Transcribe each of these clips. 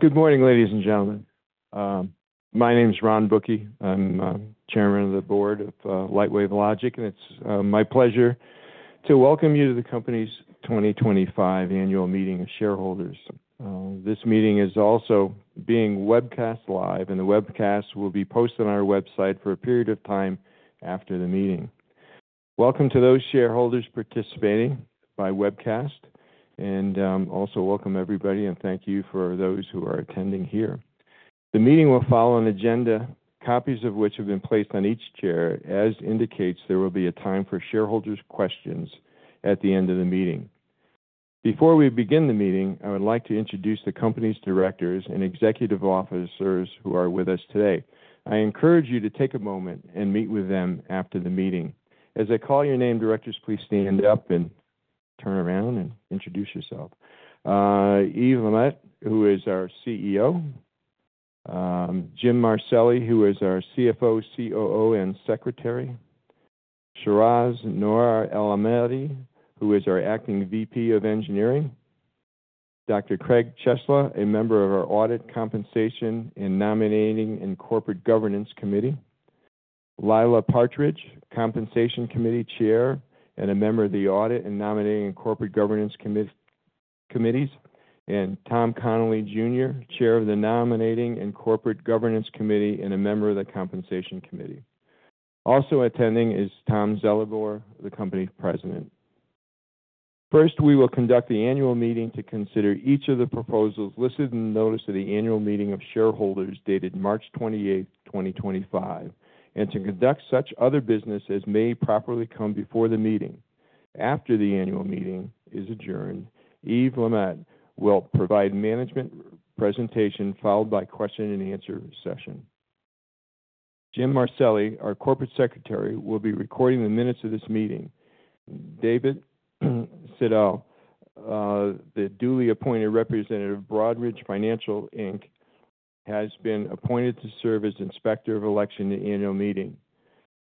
Good morning, ladies and gentlemen. My name is Ron Bucchi. I'm Chairman of the Board of Lightwave Logic, and it's my pleasure to welcome you to the company's 2025 annual meeting of shareholders. This meeting is also being webcast live, and the webcast will be posted on our website for a period of time after the meeting. Welcome to those shareholders participating by webcast, and also welcome everybody, and thank you for those who are attending here. The meeting will follow an agenda, copies of which have been placed on each chair, as indicates there will be a time for shareholders' questions at the end of the meeting. Before we begin the meeting, I would like to introduce the company's directors and executive officers who are with us today. I encourage you to take a moment and meet with them after the meeting. As I call your name, directors, please stand up and turn around and introduce yourself. Yves LeMaitre, who is our CEO. Jim Marcelli, who is our CFO, COO, and secretary. Siraj Nour El-Ahmadi, who is our acting VP of engineering. Dr. Craig Ciesla, a member of our audit, compensation, and nominating and corporate governance committee. Laila Partidge, compensation committee chair and a member of the audit and nominating and corporate governance committees. And Tom Connelly, Jr., chair of the nominating and corporate governance committee and a member of the compensation committee. Also attending is Tom Zelibor, the company president. First, we will conduct the annual meeting to consider each of the proposals listed in the notice of the annual meeting of shareholders dated March 28, 2025, and to conduct such other business as may properly come before the meeting. After the annual meeting is adjourned, Yves LeMaitre will provide a management presentation followed by a question-and-answer session. Jim Marcelli, our Corporate Secretary, will be recording the minutes of this meeting. David Siddal, the duly appointed representative of Broadridge Financial Inc., has been appointed to serve as inspector of election at the annual meeting.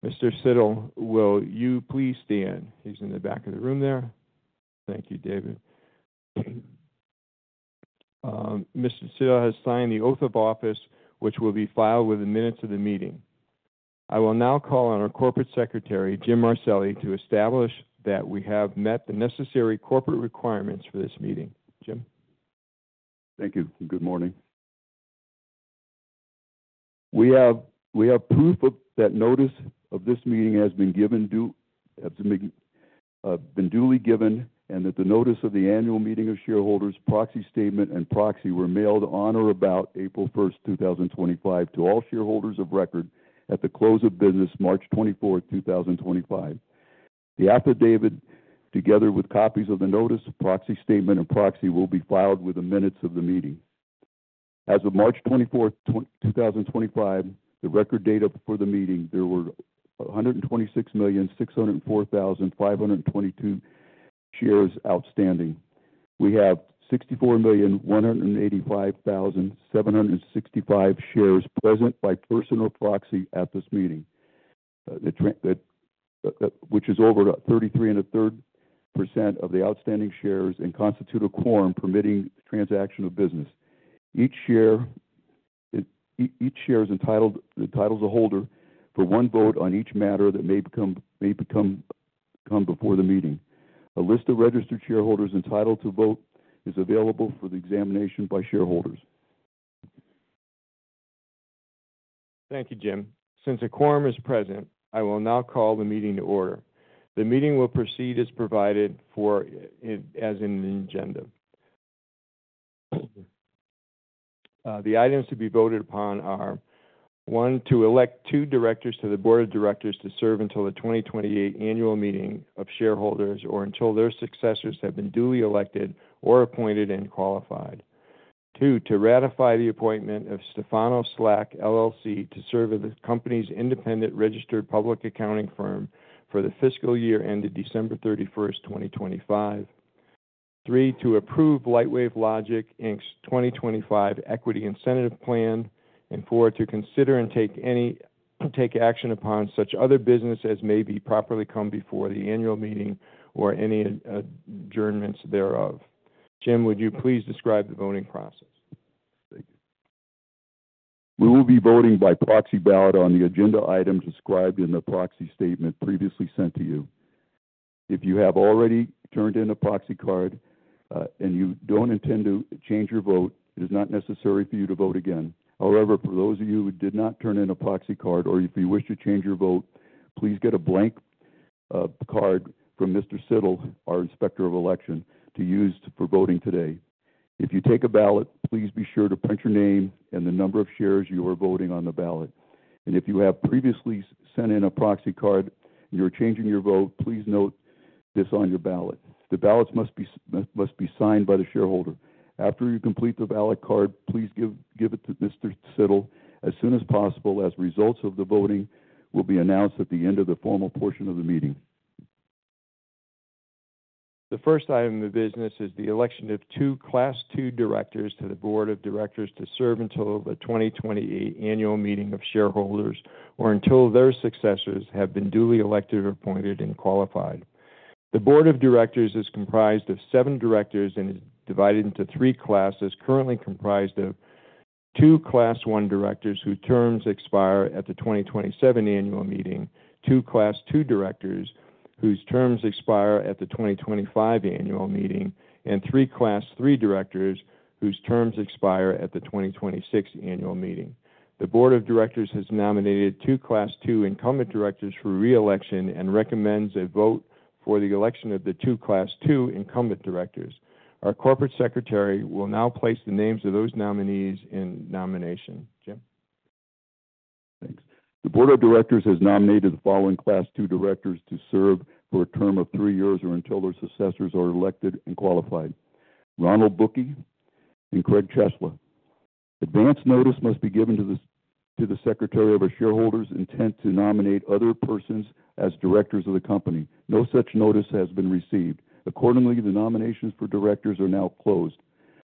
Mr. Siddal, will you please stand? He's in the back of the room there. Thank you, David. Mr. Siddal has signed the oath of office, which will be filed with the minutes of the meeting. I will now call on our Corporate Secretary, Jim Marcelli, to establish that we have met the necessary corporate requirements for this meeting. Jim? Thank you. Good morning. We have proof that notice of this meeting has been duly given and that the notice of the annual meeting of shareholders, proxy statement, and proxy were mailed on or about April 1, 2025, to all shareholders of record at the close of business, March 24, 2025. The affidavit, together with copies of the notice, proxy statement, and proxy, will be filed with the minutes of the meeting. As of March 24th, 2025, the record date for the meeting, there were 126,604,522 shares outstanding. We have 64,185,765 shares present by person or proxy at this meeting, which is over 33⅓% of the outstanding shares and constitutes a quorum permitting the transaction of business. Each share is entitled to the title of the holder for one vote on each matter that may come before the meeting. A list of registered shareholders entitled to vote is available for the examination by shareholders. Thank you, Jim. Since a quorum is present, I will now call the meeting to order. The meeting will proceed as provided as in the agenda. The items to be voted upon are: one, to elect two directors to the board of directors to serve until the 2028 annual meeting of shareholders or until their successors have been duly elected or appointed and qualified; two, to ratify the appointment of Stephano Slack LLC to serve as the company's independent registered public accounting firm for the fiscal year ended December 31, 2025; three, to approve Lightwave Logic's 2025 equity incentive plan; and four, to consider and take action upon such other business as may be properly come before the annual meeting or any adjournments thereof. Jim, would you please describe the voting process? Thank you. We will be voting by proxy ballot on the agenda items described in the proxy statement previously sent to you. If you have already turned in a proxy card and you do not intend to change your vote, it is not necessary for you to vote again. However, for those of you who did not turn in a proxy card or if you wish to change your vote, please get a blank card from Mr. Siddal, our inspector of election, to use for voting today. If you take a ballot, please be sure to print your name and the number of shares you are voting on the ballot. If you have previously sent in a proxy card and you are changing your vote, please note this on your ballot. The ballots must be signed by the shareholder. After you complete the ballot card, please give it to Mr. Siddal as soon as possible as results of the voting will be announced at the end of the formal portion of the meeting. The first item of business is the election of two Class II directors to the board of directors to serve until the 2028 annual meeting of shareholders or until their successors have been duly elected, appointed, and qualified. The board of directors is comprised of seven directors and is divided into three classes currently comprised of two Class I directors whose terms expire at the 2027 annual meeting, two Class II directors whose terms expire at the 2025 annual meeting, and three Class III directors whose terms expire at the 2026 annual meeting. The board of directors has nominated two Class II incumbent directors for reelection and recommends a vote for the election of the two Class II incumbent directors. Our corporate secretary will now place the names of those nominees in nomination. Jim? Thanks. The board of directors has nominated the following Class II directors to serve for a term of three years or until their successors are elected and qualified: Ronald Bucchi and Craig Ciesla. Advance notice must be given to the secretary of a shareholder's intent to nominate other persons as directors of the company. No such notice has been received. Accordingly, the nominations for directors are now closed.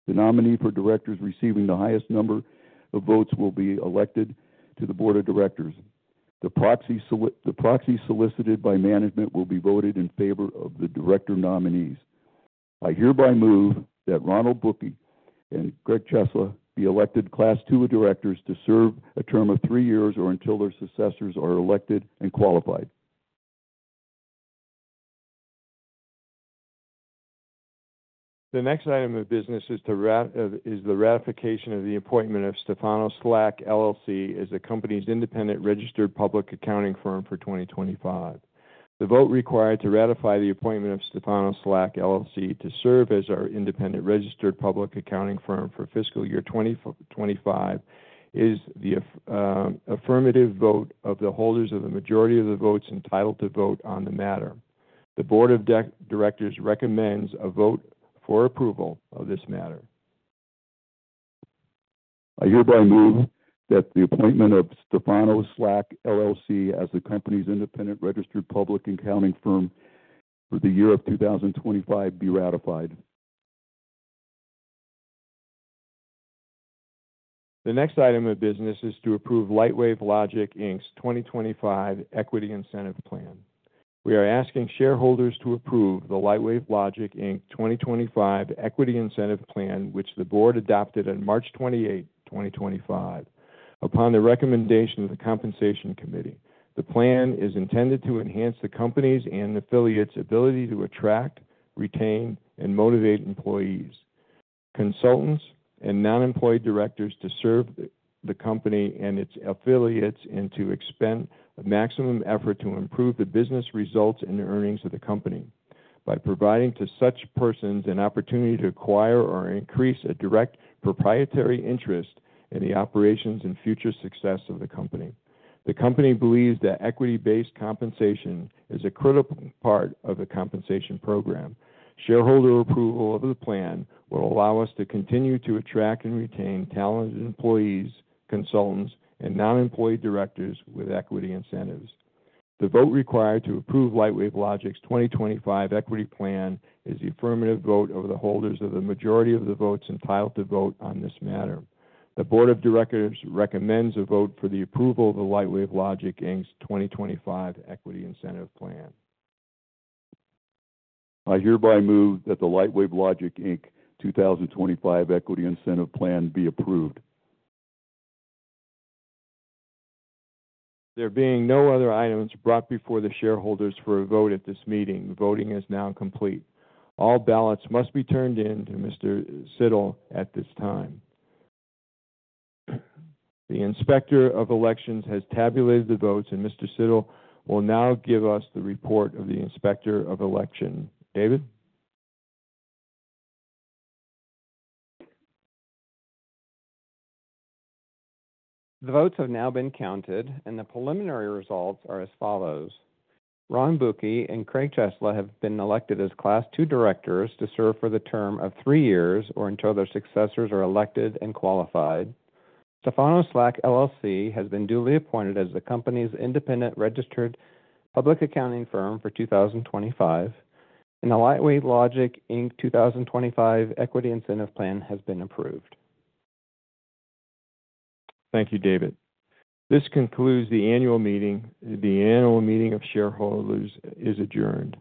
The nominee for directors receiving the highest number of votes will be elected to the board of directors. The proxy solicited by management will be voted in favor of the director nominees. I hereby move that Ronald Bucchi and Craig Ciesla be elected Class II directors to serve a term of three years or until their successors are elected and qualified. The next item of business is the ratification of the appointment of Stephano Slack LLC as the company's independent registered public accounting firm for 2025. The vote required to ratify the appointment of Stephano Slack LLC to serve as our independent registered public accounting firm for fiscal year 2025 is the affirmative vote of the holders of the majority of the votes entitled to vote on the matter. The board of directors recommends a vote for approval of this matter. I hereby move that the appointment of Stephano Slack LLC as the company's independent registered public accounting firm for the year of 2025 be ratified. The next item of business is to approve Lightwave Logic's 2025 equity incentive plan. We are asking shareholders to approve the Lightwave Logic 2025 equity incentive plan, which the board adopted on March 28, 2025, upon the recommendation of the compensation committee. The plan is intended to enhance the company's and affiliates' ability to attract, retain, and motivate employees, consultants, and non-employed directors to serve the company and its affiliates and to expend maximum effort to improve the business results and earnings of the company by providing to such persons an opportunity to acquire or increase a direct proprietary interest in the operations and future success of the company. The company believes that equity-based compensation is a critical part of the compensation program. Shareholder approval of the plan will allow us to continue to attract and retain talented employees, consultants, and non-employed directors with equity incentives. The vote required to approve Lightwave Logic's 2025 equity plan is the affirmative vote of the holders of the majority of the votes entitled to vote on this matter. The board of directors recommends a vote for the approval of the Lightwave Logic Inc's 2025 equity incentive plan. I hereby move that the Lightwave Logic Inc 2025 Equity Incentive Plan be approved. There being no other items brought before the shareholders for a vote at this meeting, voting is now complete. All ballots must be turned in to Mr. Siddal at this time. The inspector of elections has tabulated the votes, and Mr. Siddal will now give us the report of the inspector of election. David? The votes have now been counted, and the preliminary results are as follows. Ron Bucchi and Craig Ciesla have been elected as Class II directors to serve for the term of three years or until their successors are elected and qualified. Stephano Slack LLC has been duly appointed as the company's independent registered public accounting firm for 2025, and the Lightwave Logic 2025 Equity Incentive Plan has been approved. Thank you, David. This concludes the annual meeting. The annual meeting of shareholders is adjourned.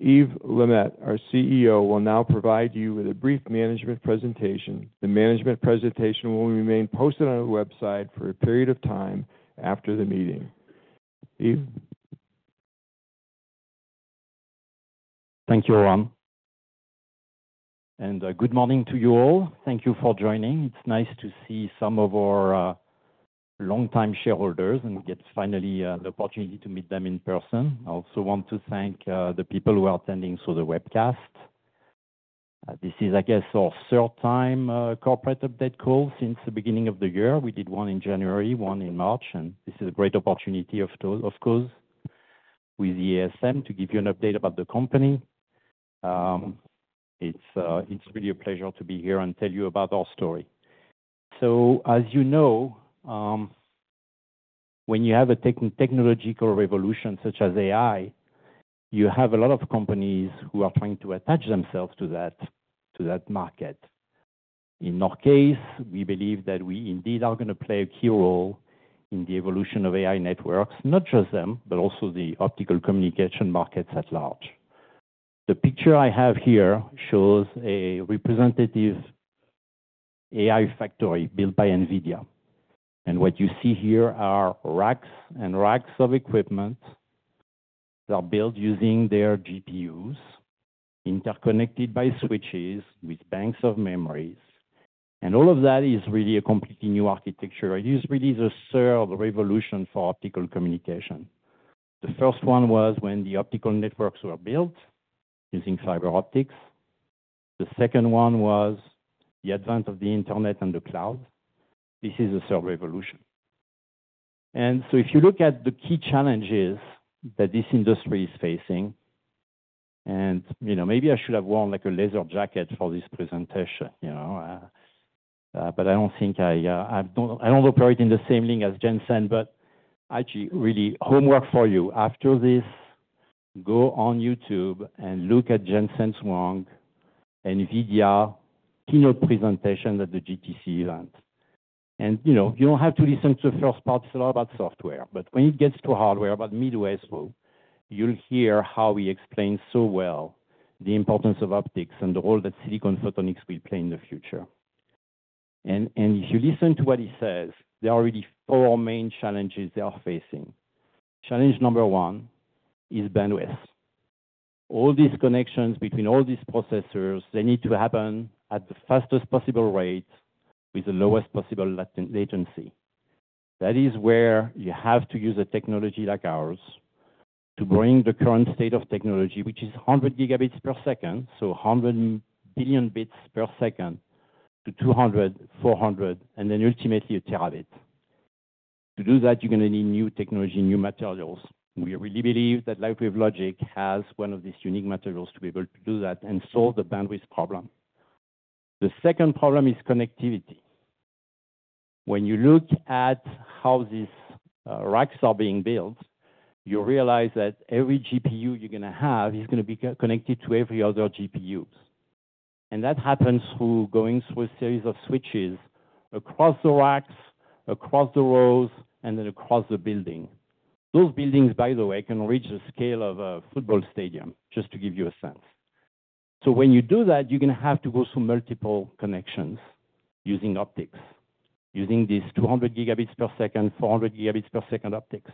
Yves LeMaitre, our CEO, will now provide you with a brief management presentation. The management presentation will remain posted on our website for a period of time after the meeting. Yves? Thank you, Ron. Good morning to you all. Thank you for joining. It's nice to see some of our longtime shareholders and finally get the opportunity to meet them in person. I also want to thank the people who are attending through the webcast. This is, I guess, our third time corporate update call since the beginning of the year. We did one in January, one in March, and this is a great opportunity, of course, with the ASM to give you an update about the company. It's really a pleasure to be here and tell you about our story. As you know, when you have a technological revolution such as AI, you have a lot of companies who are trying to attach themselves to that market. In our case, we believe that we indeed are going to play a key role in the evolution of AI networks, not just them, but also the optical communication markets at large. The picture I have here shows a representative AI factory built by NVIDIA. What you see here are racks and racks of equipment that are built using their GPUs, interconnected by switches with banks of memories. All of that is really a completely new architecture. It is really the third revolution for optical communication. The first one was when the optical networks were built using fiber optics. The second one was the advent of the internet and the cloud. This is the third revolution. If you look at the key challenges that this industry is facing, and maybe I should have worn a laser jacket for this presentation, but I do not think I operate in the same league as Jensen, but actually, really, homework for you. After this, go on YouTube and look at Jensen Huang and NVIDIA keynote presentation at the GTC event. You do not have to listen to the first part. It is a lot about software, but when it gets to hardware, about middleware as well, you will hear how he explains so well the importance of optics and the role that silicon photonics will play in the future. If you listen to what he says, there are really four main challenges they are facing. Challenge number one is bandwidth. All these connections between all these processors, they need to happen at the fastest possible rate with the lowest possible latency. That is where you have to use a technology like ours to bring the current state of technology, which is 100 Gbps, so 100 billion bits per second to 200, 400, and then ultimately a terabit. To do that, you're going to need new technology, new materials. We really believe that Lightwave Logic has one of these unique materials to be able to do that and solve the bandwidth problem. The second problem is connectivity. When you look at how these racks are being built, you realize that every GPU you're going to have is going to be connected to every other GPU. That happens through going through a series of switches across the racks, across the rows, and then across the building. Those buildings, by the way, can reach the scale of a football stadium, just to give you a sense. When you do that, you're going to have to go through multiple connections using optics, using these 200 Gbps, 400 Gbps optics.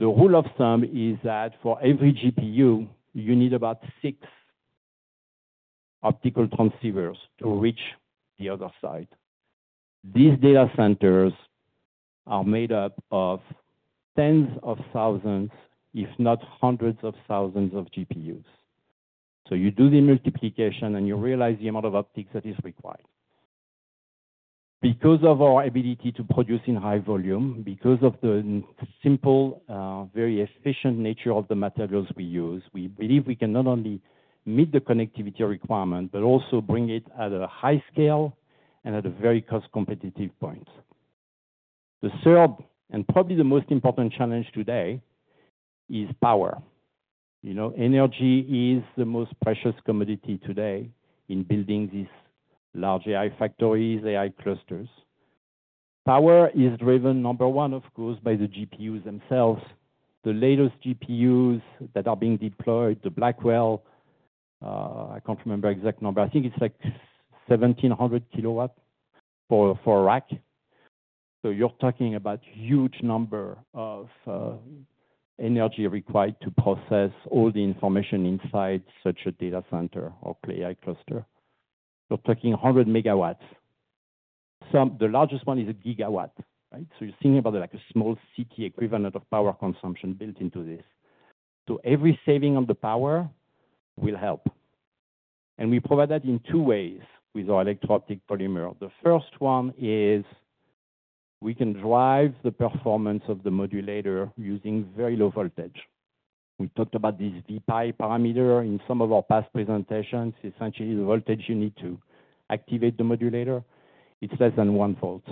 The rule of thumb is that for every GPU, you need about six optical transceivers to reach the other side. These data centers are made up of tens of thousands, if not hundreds of thousands of GPUs. You do the multiplication and you realize the amount of optics that is required. Because of our ability to produce in high volume, because of the simple, very efficient nature of the materials we use, we believe we can not only meet the connectivity requirement, but also bring it at a high scale and at a very cost-competitive point. The third and probably the most important challenge today is power. Energy is the most precious commodity today in building these large AI factories, AI clusters. Power is driven, number one, of course, by the GPUs themselves. The latest GPUs that are being deployed, the Blackwell, I can't remember the exact number. I think it's like 1,700 kW for a rack. You're talking about a huge number of energy required to process all the information inside such a data center or AI cluster. You're talking 100 MW. The largest one is a gigawatt. You're thinking about like a small city equivalent of power consumption built into this. Every saving on the power will help. We provide that in two ways with our electro-optic polymer. The first one is we can drive the performance of the modulator using very low voltage. We talked about this Vπ parameter in some of our past presentations. Essentially, the voltage you need to activate the modulator, it's less than one volt.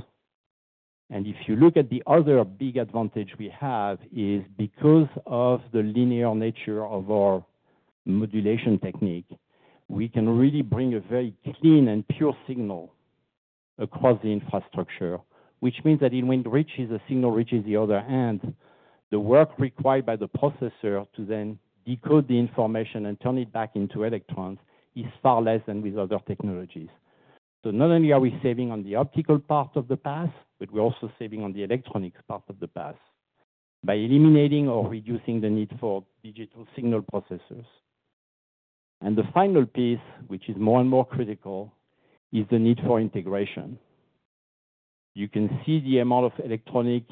If you look at the other big advantage we have is because of the linear nature of our modulation technique, we can really bring a very clean and pure signal across the infrastructure, which means that when it reaches a signal, it reaches the other end. The work required by the processor to then decode the information and turn it back into electrons is far less than with other technologies. Not only are we saving on the optical part of the path, but we're also saving on the electronics part of the path by eliminating or reducing the need for digital signal processors. The final piece, which is more and more critical, is the need for integration. You can see the amount of electronic,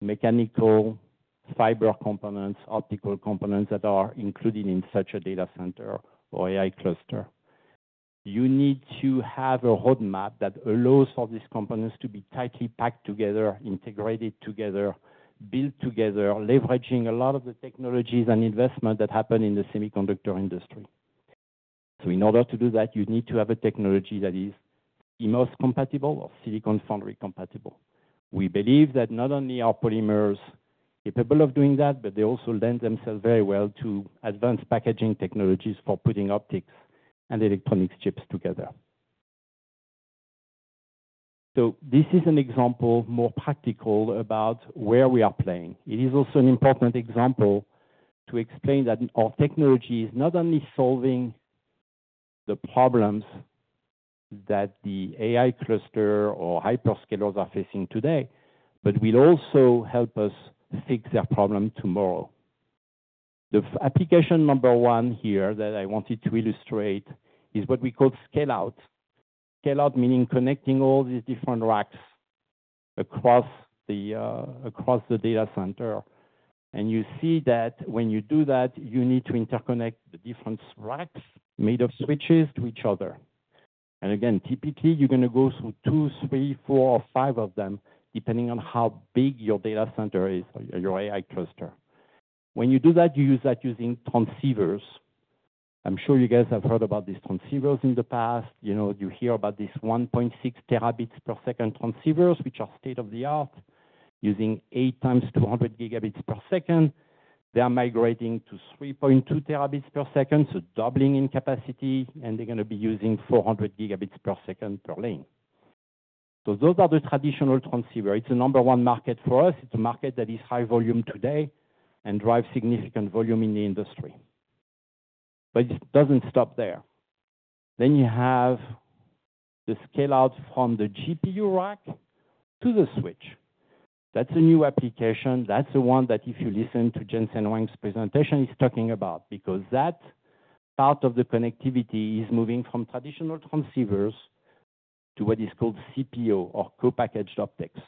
mechanical, fiber components, optical components that are included in such a data center or AI cluster. You need to have a roadmap that allows for these components to be tightly packed together, integrated together, built together, leveraging a lot of the technologies and investment that happen in the semiconductor industry. In order to do that, you need to have a technology that is CMOS compatible or silicon foundry compatible. We believe that not only are polymers capable of doing that, but they also lend themselves very well to advanced packaging technologies for putting optics and electronics chips together. This is an example more practical about where we are playing. It is also an important example to explain that our technology is not only solving the problems that the AI cluster or hyperscalers are facing today, but will also help us fix their problem tomorrow. The application number one here that I wanted to illustrate is what we call scale-out. Scale-out meaning connecting all these different racks across the data center. You see that when you do that, you need to interconnect the different racks made of switches to each other. Typically, you're going to go through two, three, four, or five of them, depending on how big your data center is or your AI cluster. When you do that, you use that using transceivers. I'm sure you guys have heard about these transceivers in the past. You hear about these 1.6 terabits per second transceivers, which are state-of-the-art, using 8 times 200 Gbps. They are migrating to 3.2 Tbps, so doubling in capacity, and they're going to be using 400 Gbps per lane. Those are the traditional transceivers. It's a number one market for us. It's a market that is high volume today and drives significant volume in the industry. It does not stop there. You have the scale-out from the GPU rack to the switch. That's a new application. That is the one that, if you listen to Jensen Huang's presentation, he's talking about, because that part of the connectivity is moving from traditional transceivers to what is called CPO or co-packaged optics.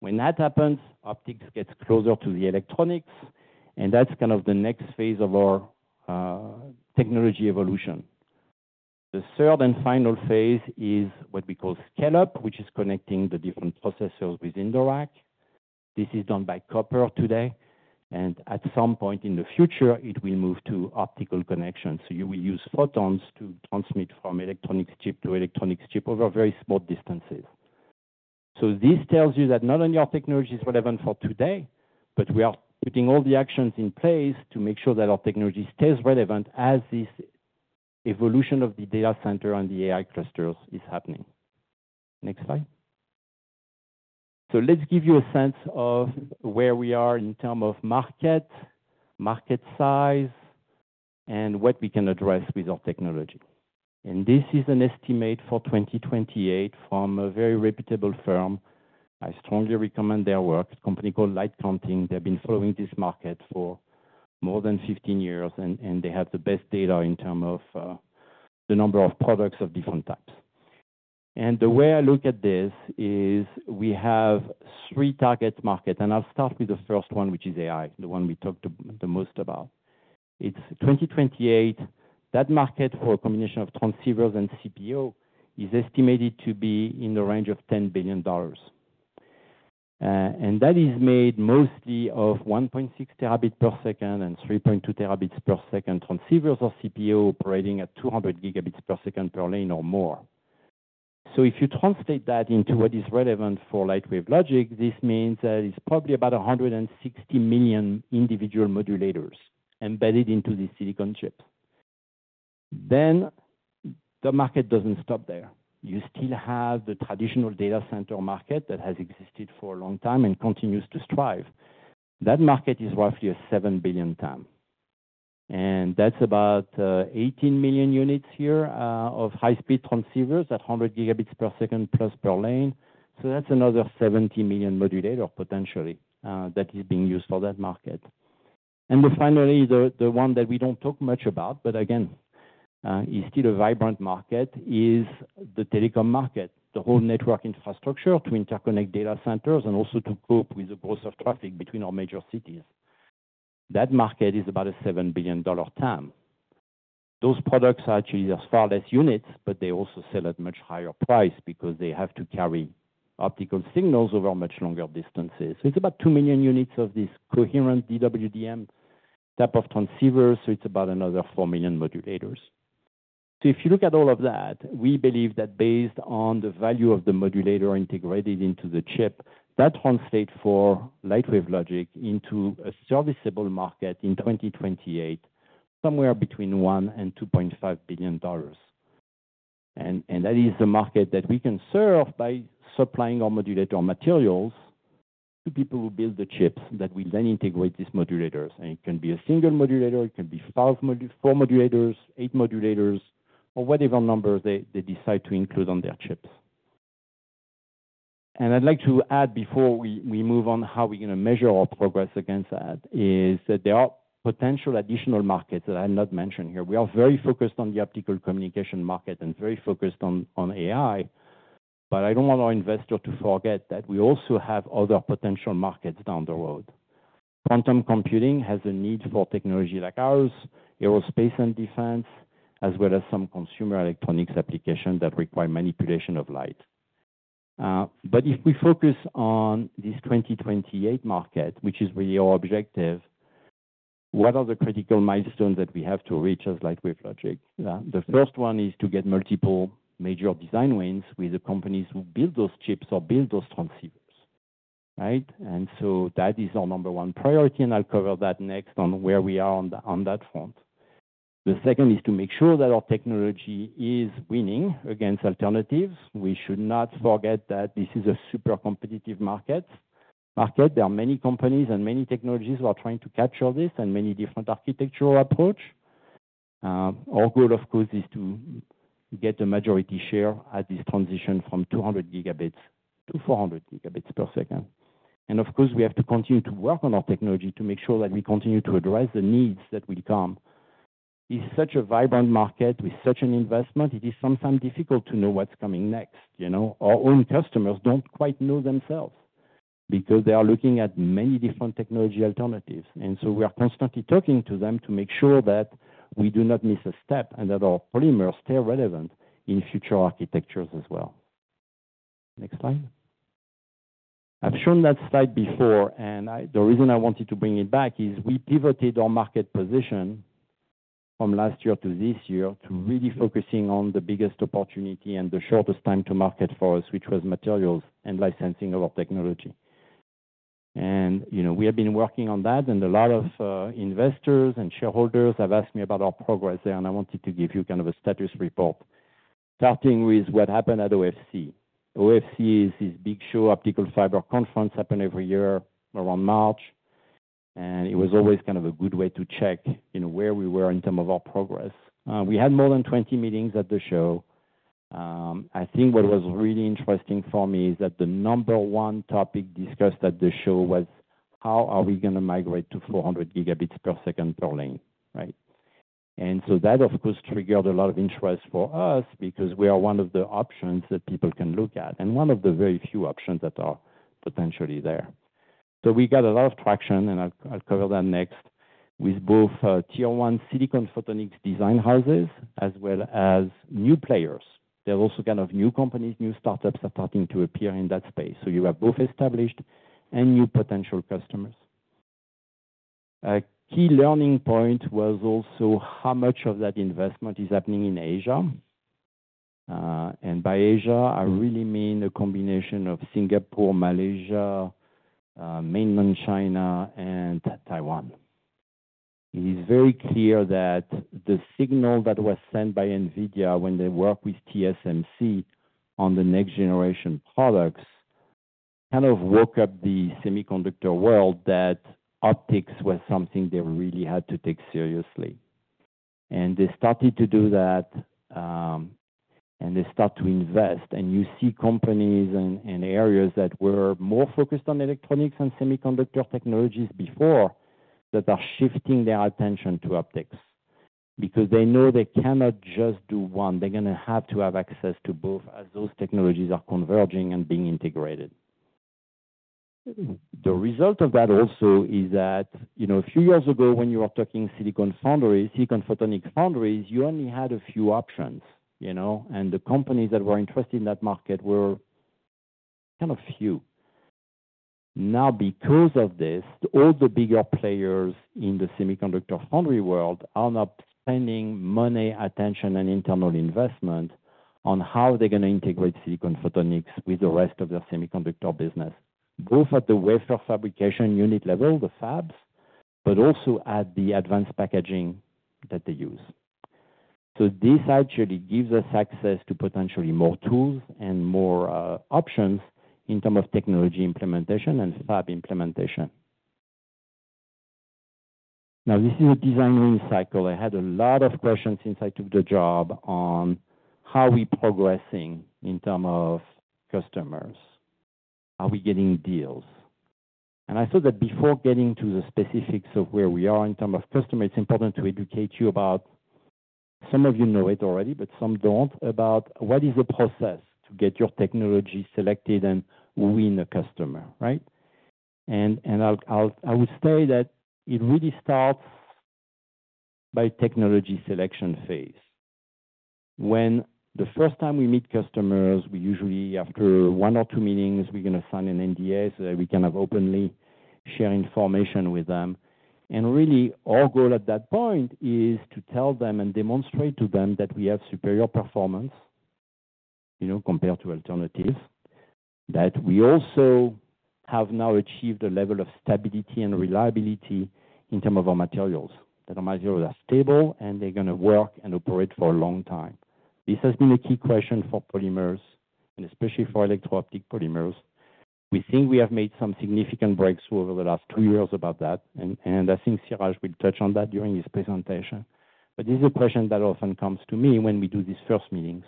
When that happens, optics gets closer to the electronics, and that's kind of the next phase of our technology evolution. The third and final phase is what we call scale-up, which is connecting the different processors within the rack. This is done by copper today, and at some point in the future, it will move to optical connections. You will use photons to transmit from electronics chip to electronics chip over very small distances. This tells you that not only our technology is relevant for today, but we are putting all the actions in place to make sure that our technology stays relevant as this evolution of the data center and the AI clusters is happening. Next slide. Let's give you a sense of where we are in terms of market, market size, and what we can address with our technology. This is an estimate for 2028 from a very reputable firm. I strongly recommend their work. It's a company called Light Counting. They've been following this market for more than 15 years, and they have the best data in terms of the number of products of different types. The way I look at this is we have three target markets, and I'll start with the first one, which is AI, the one we talked the most about. It's 2028. That market for a combination of transceivers and CPO is estimated to be in the range of $10 billion. That is made mostly of 1.6 Tbps and 3.2 Tbps transceivers or CPO operating at 200 Gbps per lane or more. If you translate that into what is relevant for Lightwave Logic, this means that it's probably about 160 million individual modulators embedded into the silicon chip. The market doesn't stop there. You still have the traditional data center market that has existed for a long time and continues to strive. That market is roughly a $7 billion time. That is about 18 million units here of high-speed transceivers at 100 Gbps plus per lane. That is another 70 million modulators potentially that is being used for that market. Finally, the one that we do not talk much about, but again, is still a vibrant market, is the telecom market, the whole network infrastructure to interconnect data centers and also to cope with the growth of traffic between our major cities. That market is about a $7 billion time. Those products are actually far less units, but they also sell at a much higher price because they have to carry optical signals over much longer distances. It is about 2 million units of this coherent DWDM type of transceivers. It is about another 4 million modulators. If you look at all of that, we believe that based on the value of the modulator integrated into the chip, that translates for Lightwave Logic into a serviceable market in 2028, somewhere between $1 billion and $2.5 billion. That is the market that we can serve by supplying our modulator materials to people who build the chips that will then integrate these modulators. It can be a single modulator, it can be four modulators, eight modulators, or whatever numbers they decide to include on their chips. I would like to add before we move on how we are going to measure our progress against that is that there are potential additional markets that I will not mention here. We are very focused on the optical communication market and very focused on AI, but I don't want our investor to forget that we also have other potential markets down the road. Quantum computing has a need for technology like ours, aerospace and defense, as well as some consumer electronics applications that require manipulation of light. If we focus on this 2028 market, which is really our objective, what are the critical milestones that we have to reach as Lightwave Logic? The first one is to get multiple major design wins with the companies who build those chips or build those transceivers. That is our number one priority, and I'll cover that next on where we are on that front. The second is to make sure that our technology is winning against alternatives. We should not forget that this is a super competitive market. There are many companies and many technologies who are trying to capture this and many different architectural approaches. Our goal, of course, is to get a majority share at this transition from 200 Gbps to 400 Gbps. Of course, we have to continue to work on our technology to make sure that we continue to address the needs that will come. It is such a vibrant market with such an investment, it is sometimes difficult to know what is coming next. Our own customers do not quite know themselves because they are looking at many different technology alternatives. We are constantly talking to them to make sure that we do not miss a step and that our polymers stay relevant in future architectures as well. Next slide. I've shown that slide before, and the reason I wanted to bring it back is we pivoted our market position from last year to this year to really focusing on the biggest opportunity and the shortest time to market for us, which was materials and licensing of our technology. We have been working on that, and a lot of investors and shareholders have asked me about our progress there, and I wanted to give you kind of a status report, starting with what happened at OFC. OFC is this big show, Optical Fiber Conference, happens every year around March, and it was always kind of a good way to check where we were in terms of our progress. We had more than 20 meetings at the show. I think what was really interesting for me is that the number one topic discussed at the show was how are we going to migrate to 400 Gbps per lane. That, of course, triggered a lot of interest for us because we are one of the options that people can look at and one of the very few options that are potentially there. We got a lot of traction, and I'll cover that next, with both tier one silicon photonics design houses as well as new players. There are also kind of new companies, new startups that are starting to appear in that space. You have both established and new potential customers. A key learning point was also how much of that investment is happening in Asia. By Asia, I really mean a combination of Singapore, Malaysia, mainland China, and Taiwan. It is very clear that the signal that was sent by NVIDIA when they worked with TSMC on the next generation products kind of woke up the semiconductor world that optics was something they really had to take seriously. They started to do that, and they start to invest. You see companies and areas that were more focused on electronics and semiconductor technologies before that are shifting their attention to optics because they know they cannot just do one. They are going to have to have access to both as those technologies are converging and being integrated. The result of that also is that a few years ago, when you were talking silicon photonics foundries, you only had a few options, and the companies that were interested in that market were kind of few. Now, because of this, all the bigger players in the semiconductor foundry world are now spending money, attention, and internal investment on how they're going to integrate silicon photonics with the rest of their semiconductor business, both at the wafer fabrication unit level, the fabs, but also at the advanced packaging that they use. This actually gives us access to potentially more tools and more options in terms of technology implementation and fab implementation. Now, this is a design win cycle. I had a lot of questions since I took the job on how we're progressing in terms of customers. Are we getting deals? I saw that before getting to the specifics of where we are in terms of customers, it's important to educate you about, some of you know it already, but some don't, about what is the process to get your technology selected and win a customer. I would say that it really starts by technology selection phase. When the first time we meet customers, we usually, after one or two meetings, we're going to sign an NDA so that we can openly share information with them. Really, our goal at that point is to tell them and demonstrate to them that we have superior performance compared to alternatives, that we also have now achieved a level of stability and reliability in terms of our materials, that our materials are stable and they're going to work and operate for a long time. This has been a key question for polymers, and especially for electro-optic polymers. We think we have made some significant breakthrough over the last two years about that. I think Siraj will touch on that during his presentation. This is a question that often comes to me when we do these first meetings.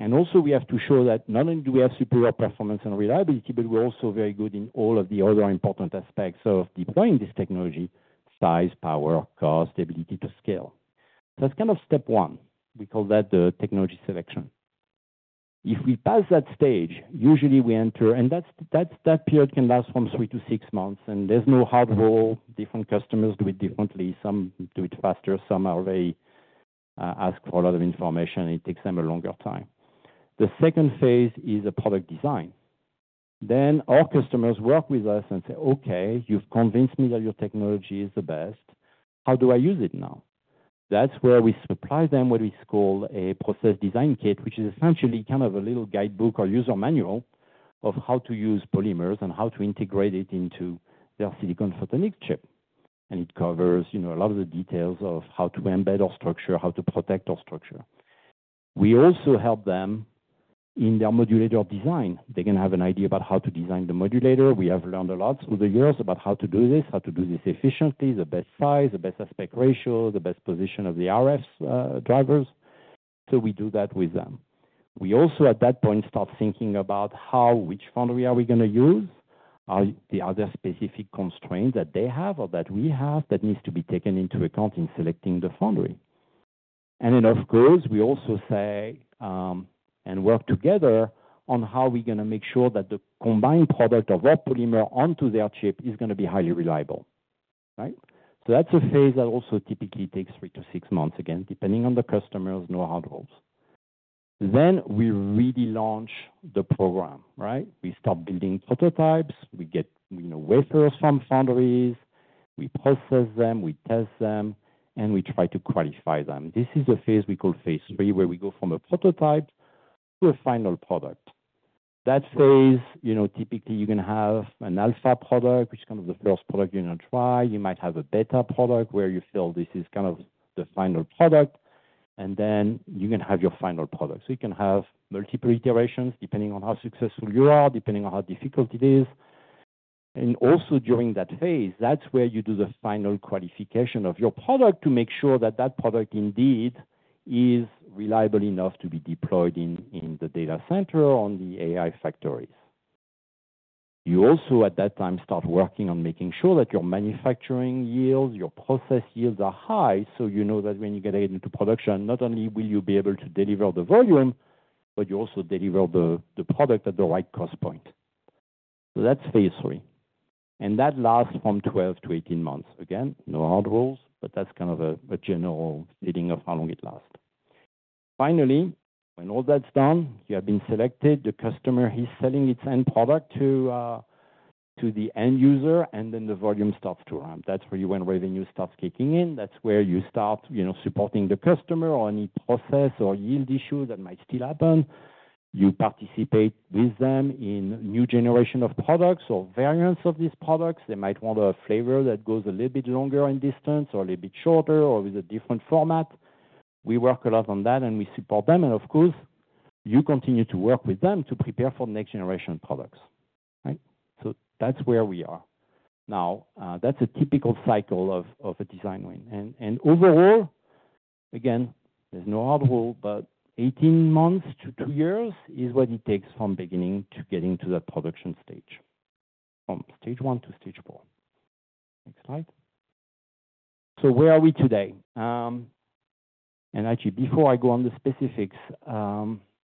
Also, we have to show that not only do we have superior performance and reliability, but we're also very good in all of the other important aspects of deploying this technology: size, power, cost, ability to scale. That's kind of step one. We call that the technology selection. If we pass that stage, usually we enter, and that period can last from three to six months, and there's no hard rule. Different customers do it differently. Some do it faster. Some are very ask for a lot of information. It takes them a longer time. The second phase is a product design. Then our customers work with us and say, "Okay, you've convinced me that your technology is the best. How do I use it now?" That is where we supply them what we call a process design kit, which is essentially kind of a little guidebook or user manual of how to use polymers and how to integrate it into their silicon photonics chip. It covers a lot of the details of how to embed our structure, how to protect our structure. We also help them in their modulator design. They are going to have an idea about how to design the modulator. We have learned a lot through the years about how to do this, how to do this efficiently, the best size, the best aspect ratio, the best position of the RF drivers. We do that with them. We also, at that point, start thinking about how, which foundry are we going to use, the other specific constraints that they have or that we have that need to be taken into account in selecting the foundry. Of course, we also say and work together on how we're going to make sure that the combined product of our polymer onto their chip is going to be highly reliable. That is a phase that also typically takes three to six months, again, depending on the customer's know-how rules. We really launch the program. We start building prototypes. We get wafers from foundries. We process them. We test them, and we try to qualify them. This is the phase we call phase three, where we go from a prototype to a final product. That phase, typically, you're going to have an alpha product, which is kind of the first product you're going to try. You might have a beta product where you feel this is kind of the final product, and then you're going to have your final product. You can have multiple iterations depending on how successful you are, depending on how difficult it is. Also, during that phase, that's where you do the final qualification of your product to make sure that that product indeed is reliable enough to be deployed in the data center or in the AI factories. You also, at that time, start working on making sure that your manufacturing yields, your process yields are high so you know that when you get it into production, not only will you be able to deliver the volume, but you also deliver the product at the right cost point. That is phase three. That lasts from 12 months-18 months. Again, no hard rules, but that is kind of a general feeling of how long it lasts. Finally, when all that is done, you have been selected, the customer is selling its end product to the end user, and then the volume starts to run. That is where you, when revenue starts kicking in. That is where you start supporting the customer on any process or yield issues that might still happen. You participate with them in new generation of products or variants of these products. They might want a flavor that goes a little bit longer in distance or a little bit shorter or with a different format. We work a lot on that, and we support them. Of course, you continue to work with them to prepare for next generation products. That is where we are. Now, that is a typical cycle of a design win. Overall, again, there is no hard rule, but 18 months to two years is what it takes from beginning to getting to that production stage, from stage one to stage four. Next slide. Where are we today? Actually, before I go on the specifics,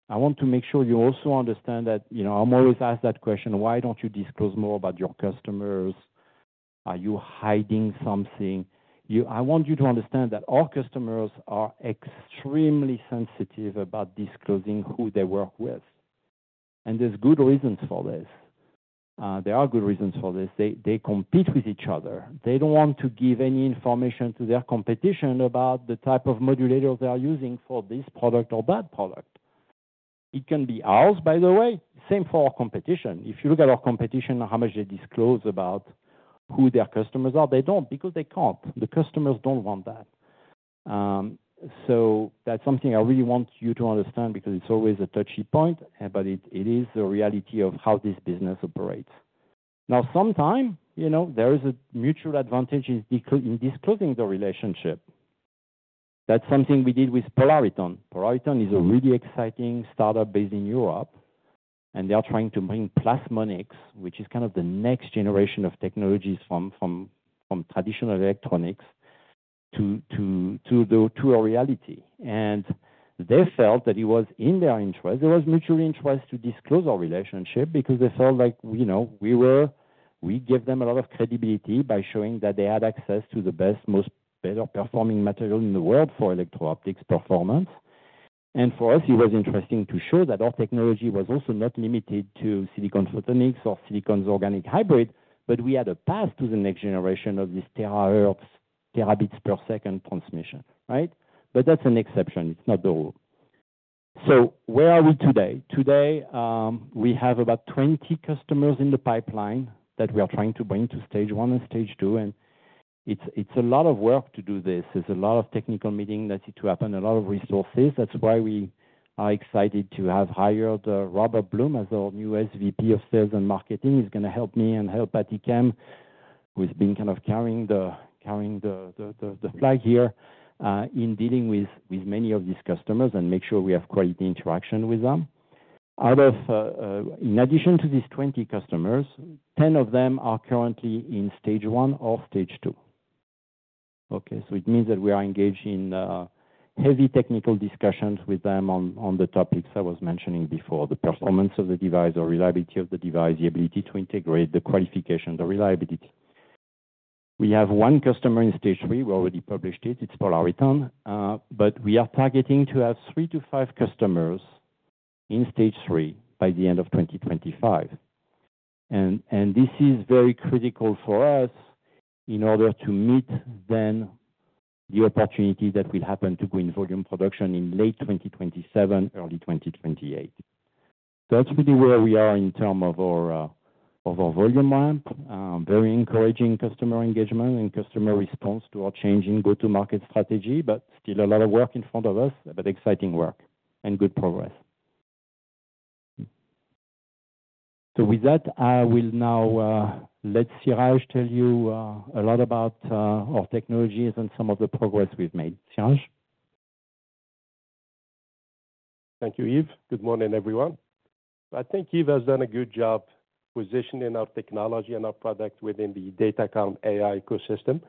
I want to make sure you also understand that I am always asked that question, "Why do not you disclose more about your customers? Are you hiding something? I want you to understand that our customers are extremely sensitive about disclosing who they work with. There are good reasons for this. They compete with each other. They do not want to give any information to their competition about the type of modulator they are using for this product or that product. It can be ours, by the way. Same for our competition. If you look at our competition and how much they disclose about who their customers are, they do not because they cannot. The customers do not want that. That is something I really want you to understand because it is always a touchy point, but it is the reality of how this business operates. Now, sometimes there is a mutual advantage in disclosing the relationship. That is something we did with Polariton. Polariton is a really exciting startup based in Europe, and they are trying to bring plasmonics, which is kind of the next generation of technologies from traditional electronics, to a reality. They felt that it was in their interest. There was mutual interest to disclose our relationship because they felt like we gave them a lot of credibility by showing that they had access to the best, most better performing material in the world for electro-optics performance. For us, it was interesting to show that our technology was also not limited to silicon photonics or silicon's organic hybrid, but we had a path to the next generation of this THz, terabits per second transmission. That's an exception. It's not the rule. Where are we today? Today, we have about 20 customers in the pipeline that we are trying to bring to stage one and stage two. It is a lot of work to do this. There are a lot of technical meetings that need to happen, a lot of resources. That is why we are excited to have hired Robert Blum as our new SVP of Sales and Marketing. He is going to help me and help Atikem with being kind of carrying the flag here in dealing with many of these customers and make sure we have quality interaction with them. In addition to these 20 customers, 10 of them are currently in stage one or stage two. Okay. It means that we are engaged in heavy technical discussions with them on the topics I was mentioning before, the performance of the device or reliability of the device, the ability to integrate, the qualification, the reliability. We have one customer in stage three. We already published it. It is Polariton. We are targeting to have three to five customers in stage three by the end of 2025. This is very critical for us in order to meet then the opportunity that will happen to bring volume production in late 2027, early 2028. That is really where we are in terms of our volume ramp. Very encouraging customer engagement and customer response to our changing go-to-market strategy, but still a lot of work in front of us, but exciting work and good progress. With that, I will now let Siraj tell you a lot about our technologies and some of the progress we have made. Siraj? Thank you, Yves. Good morning, everyone. I think Yves has done a good job positioning our technology and our product within the DataCamp AI ecosystem.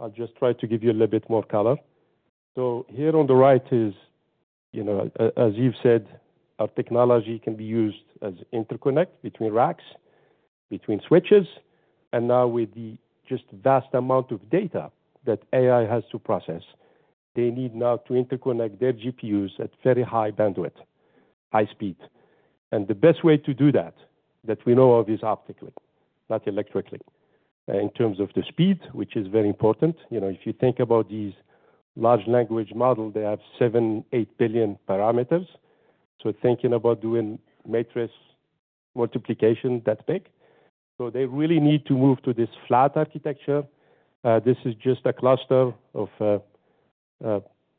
I'll just try to give you a little bit more color. Here on the right is, as Yves said, our technology can be used as interconnect between racks, between switches. Now with the just vast amount of data that AI has to process, they need now to interconnect their GPUs at very high bandwidth, high speed. The best way to do that that we know of is optically, not electrically, in terms of the speed, which is very important. If you think about these large language models, they have 7, 8 billion parameters. Thinking about doing matrix multiplication, that big. They really need to move to this flat architecture. This is just a cluster of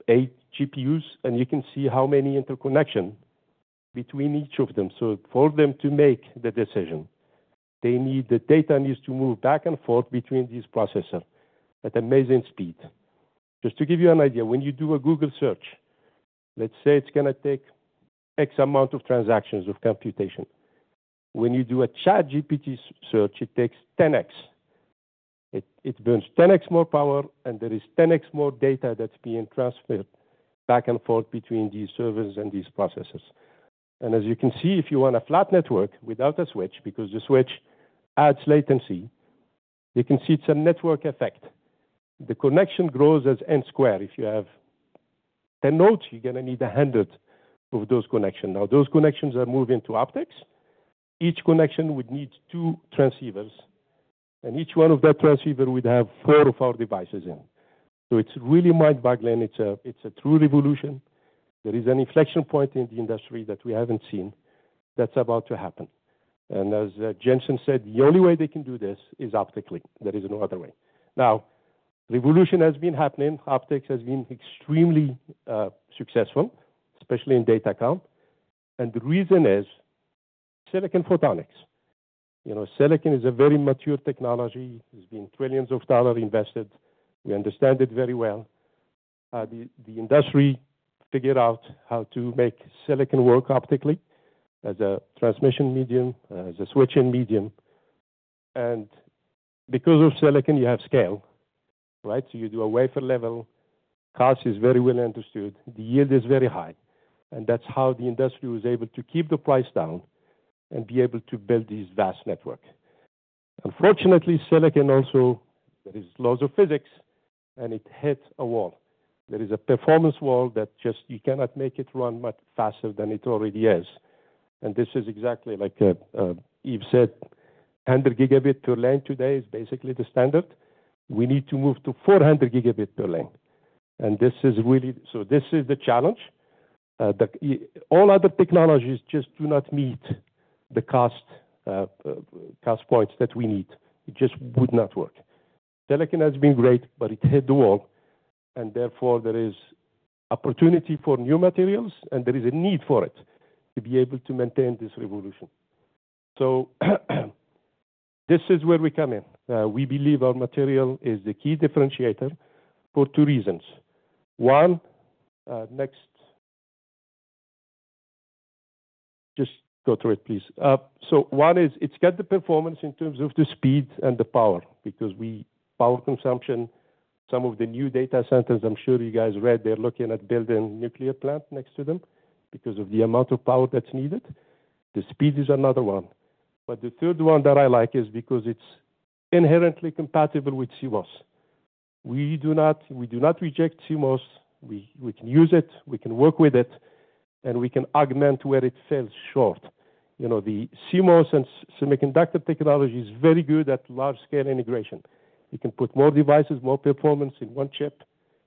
eight GPUs, and you can see how many interconnections between each of them. For them to make the decision, the data needs to move back and forth between these processors at amazing speed. Just to give you an idea, when you do a Google search, let's say it's going to take X amount of transactions of computation. When you do a ChatGPT search, it takes 10X. It burns 10X more power, and there is 10X more data that's being transferred back and forth between these servers and these processors. As you can see, if you want a flat network without a switch, because the switch adds latency, you can see it's a network effect. The connection grows as n squared. If you have 10 nodes, you're going to need 100 of those connections. Now, those connections are moving to optics. Each connection would need two transceivers, and each one of that transceiver would have four of our devices in. It is really mind-boggling. It is a true revolution. There is an inflection point in the industry that we have not seen that is about to happen. As Jensen said, the only way they can do this is optically. There is no other way. Now, revolution has been happening. Optics has been extremely successful, especially in DataCamp. The reason is silicon photonics. Silicon is a very mature technology. There have been trillions of dollars invested. We understand it very well. The industry figured out how to make silicon work optically as a transmission medium, as a switching medium. Because of silicon, you have scale. You do a wafer level. Cost is very well understood. The yield is very high. That is how the industry was able to keep the price down and be able to build this vast network. Unfortunately, silicon also, there are laws of physics, and it hits a wall. There is a performance wall that just you cannot make it run much faster than it already is. This is exactly like Yves said, 100 Gb per lane today is basically the standard. We need to move to 400 Gb per lane. This is really the challenge. All other technologies just do not meet the cost points that we need. It just would not work. Silicon has been great, but it hit the wall. Therefore, there is opportunity for new materials, and there is a need for it to be able to maintain this revolution. This is where we come in. We believe our material is the key differentiator for two reasons. One, next. Just go through it, please. One is it's got the performance in terms of the speed and the power because power consumption, some of the new data centers, I'm sure you guys read, they're looking at building a nuclear plant next to them because of the amount of power that's needed. The speed is another one. The third one that I like is because it's inherently compatible with CMOS. We do not reject CMOS. We can use it. We can work with it, and we can augment where it falls short. The CMOS and semiconductor technology is very good at large-scale integration. You can put more devices, more performance in one chip,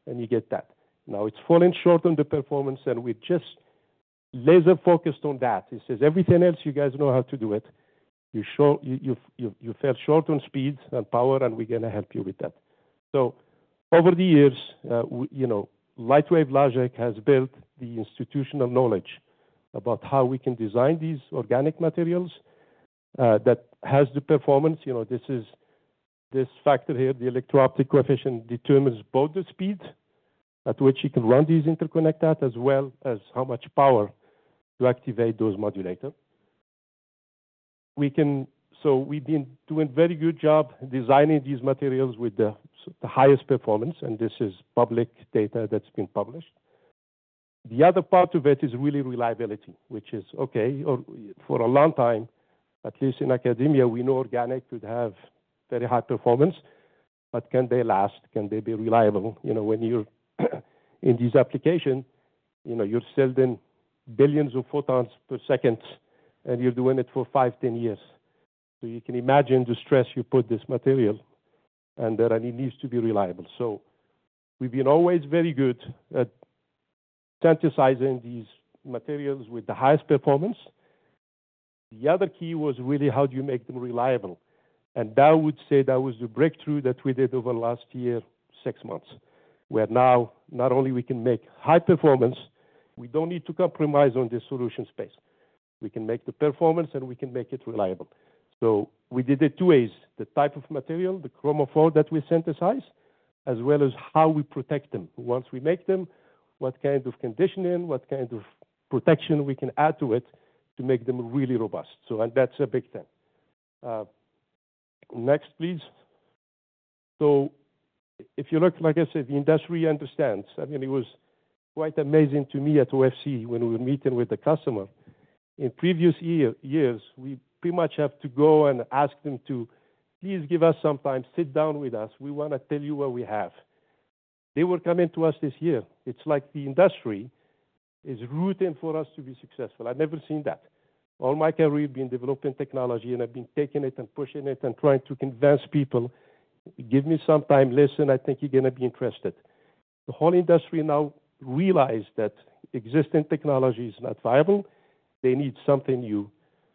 and you get that. Now, it's falling short on the performance, and we're just laser-focused on that. It says everything else, you guys know how to do it. You fell short on speed and power, and we're going to help you with that. Over the years, Lightwave Logic has built the institutional knowledge about how we can design these organic materials that has the performance. This factor here, the electro-optic coefficient, determines both the speed at which you can run these interconnect at as well as how much power to activate those modulators. We've been doing a very good job designing these materials with the highest performance, and this is public data that's been published. The other part of it is really reliability, which is, okay, for a long time, at least in academia, we know organic could have very high performance, but can they last? Can they be reliable? When you're in these applications, you're selling billions of photons per second, and you're doing it for 5, 10 years. You can imagine the stress you put this material, and it needs to be reliable. We've been always very good at synthesizing these materials with the highest performance. The other key was really how do you make them reliable? I would say that was the breakthrough that we did over the last year, six months, where now not only can we make high performance, we don't need to compromise on the solution space. We can make the performance, and we can make it reliable. We did it two ways, the type of material, the chromophore that we synthesize, as well as how we protect them. Once we make them, what kind of conditioning, what kind of protection we can add to it to make them really robust. That is a big thing. Next, please. If you look, like I said, the industry understands. I mean, it was quite amazing to me at OFC when we were meeting with the customer. In previous years, we pretty much have to go and ask them to please give us some time, sit down with us. We want to tell you what we have. They were coming to us this year. It is like the industry is rooting for us to be successful. I have never seen that. All my career being developing technology, and I have been taking it and pushing it and trying to convince people, "Give me some time. Listen, I think you are going to be interested." The whole industry now realized that existing technology is not viable. They need something new.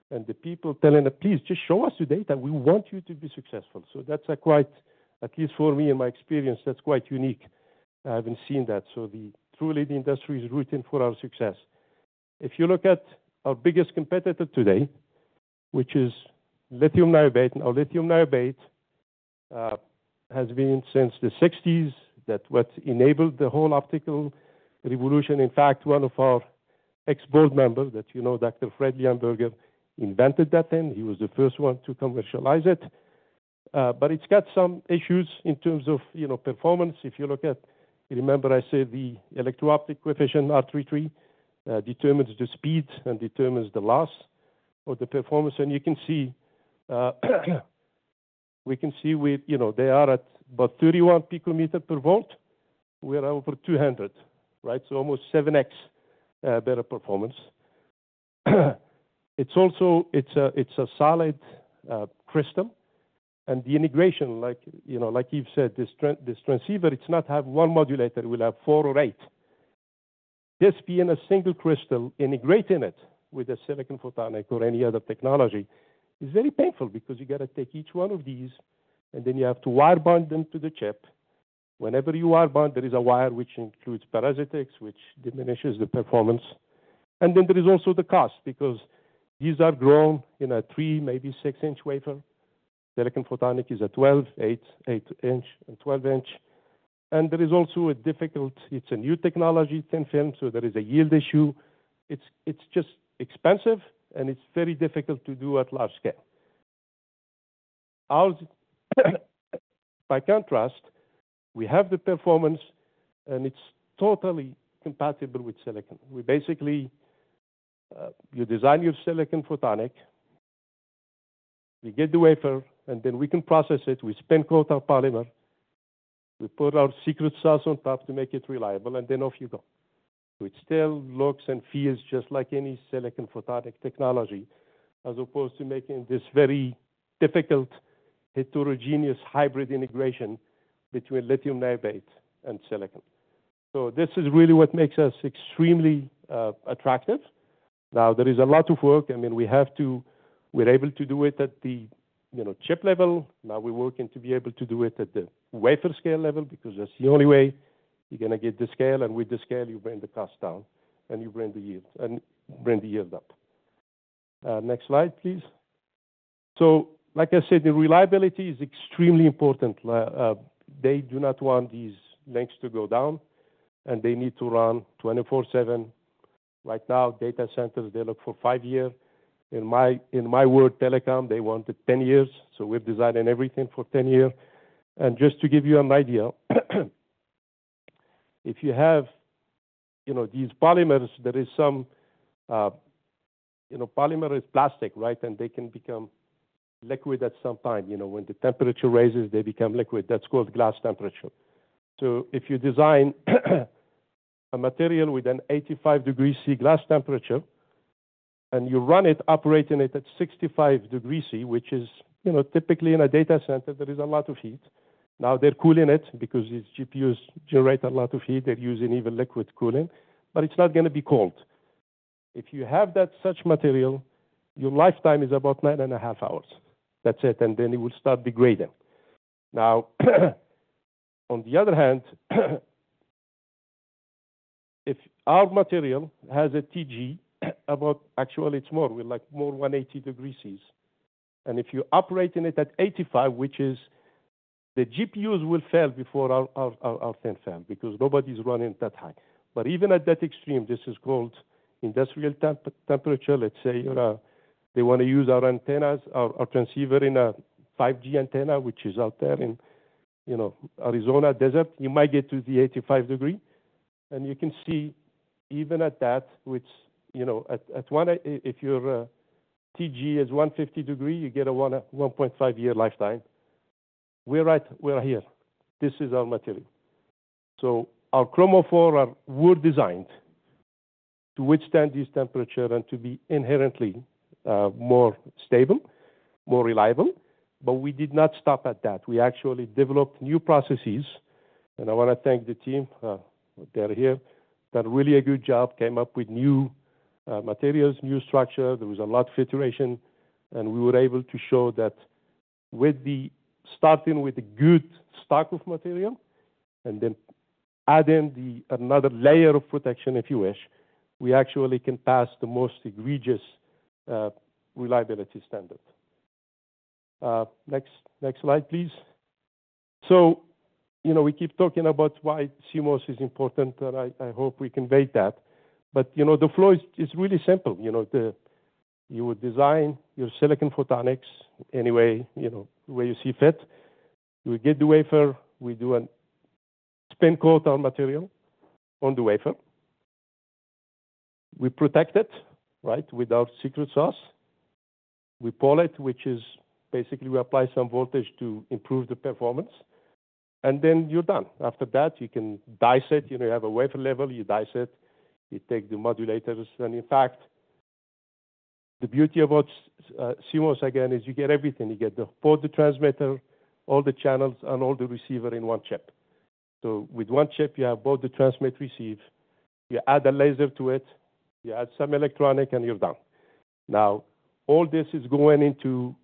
The people telling them, "Please just show us today that we want you to be successful." That is quite, at least for me and my experience, that is quite unique. I have not seen that. Truly, the industry is rooting for our success. If you look at our biggest competitor today, which is lithium niobate, now lithium niobate has been since the 1960s what enabled the whole optical revolution. In fact, one of our ex-board members, you know, Dr. Fredly Hamburger, invented that then. He was the first one to commercialize it. It has some issues in terms of performance. If you look at, remember I said the electro-optic coefficient r33 determines the speed and determines the loss or the performance. You can see they are at about 31 picometer per volt. We're over 200, so almost 7X better performance. It's also a solid crystal. The integration, like Yves said, this transceiver, it's not have one modulator. We'll have four or eight. Just being a single crystal, integrating it with a silicon photonic or any other technology is very painful because you got to take each one of these, and then you have to wire bind them to the chip. Whenever you wire bind, there is a wire which includes parasitics, which diminishes the performance. There is also the cost because these are grown in a 3, maybe 6-inch wafer. Silicon photonic is a 8-inch and 12-inch. There is also a difficult, it's a new technology, thin film, so there is a yield issue. It's just expensive, and it's very difficult to do at large scale. By contrast, we have the performance, and it's totally compatible with silicon. Basically, you design your silicon photonic, you get the wafer, and then we can process it. We spin coat our polymer. We put our secret sauce on top to make it reliable, and then off you go. It still looks and feels just like any silicon photonic technology, as opposed to making this very difficult heterogeneous hybrid integration between lithium niobate and silicon. This is really what makes us extremely attractive. Now, there is a lot of work. I mean, we have to, we're able to do it at the chip level. Now we're working to be able to do it at the wafer scale level because that's the only way you're going to get the scale, and with the scale, you bring the cost down, and you bring the yield up. Next slide, please. Like I said, the reliability is extremely important. They do not want these links to go down, and they need to run 24/7. Right now, data centers, they look for five years. In my world, Telecom, they wanted 10 years. We are designing everything for 10 years. Just to give you an idea, if you have these polymers, there is some polymer is plastic, and they can become liquid at some time. When the temperature raises, they become liquid. That is called glass transition temperature. If you design a material with an 85°C glass transition temperature, and you run it, operating it at 65°C, which is typically in a data center, there is a lot of heat. Now they are cooling it because these GPUs generate a lot of heat. They are using even liquid cooling, but it is not going to be cold. If you have that such material, your lifetime is about nine and a half hours. That's it. Then it will start degrading. Now, on the other hand, if our material has a TG about, actually, it's more, we're like more 180°C. If you're operating it at 85, which is the GPUs will fail before our thin film because nobody's running that high. Even at that extreme, this is called industrial temperature. Let's say they want to use our antennas, our transceiver in a 5G antenna, which is out there in the Arizona desert. You might get to the 85°. You can see even at that, which at one, if your TG is 150°, you get a 1.5-year lifetime. We're here. This is our material. Our chromophore are well designed to withstand these temperatures and to be inherently more stable, more reliable. We did not stop at that. We actually developed new processes. I want to thank the team that are here. Done really a good job, came up with new materials, new structure. There was a lot of iteration. We were able to show that with the starting with a good stock of material and then adding another layer of protection, if you wish, we actually can pass the most egregious reliability standard. Next slide, please. We keep talking about why CMOS is important, and I hope we conveyed that. The flow is really simple. You would design your silicon photonics anyway, the way you see fit. We get the wafer. We do a spin coat on material on the wafer. We protect it with our secret sauce. We pull it, which is basically we apply some voltage to improve the performance. Then you're done. After that, you can dice it. You have a wafer level. You dice it. You take the modulators. In fact, the beauty of CMOS, again, is you get everything. You get both the transmitter, all the channels, and all the receiver in one chip. With one chip, you have both the transmit receive. You add a laser to it. You add some electronic, and you're done. All this is going into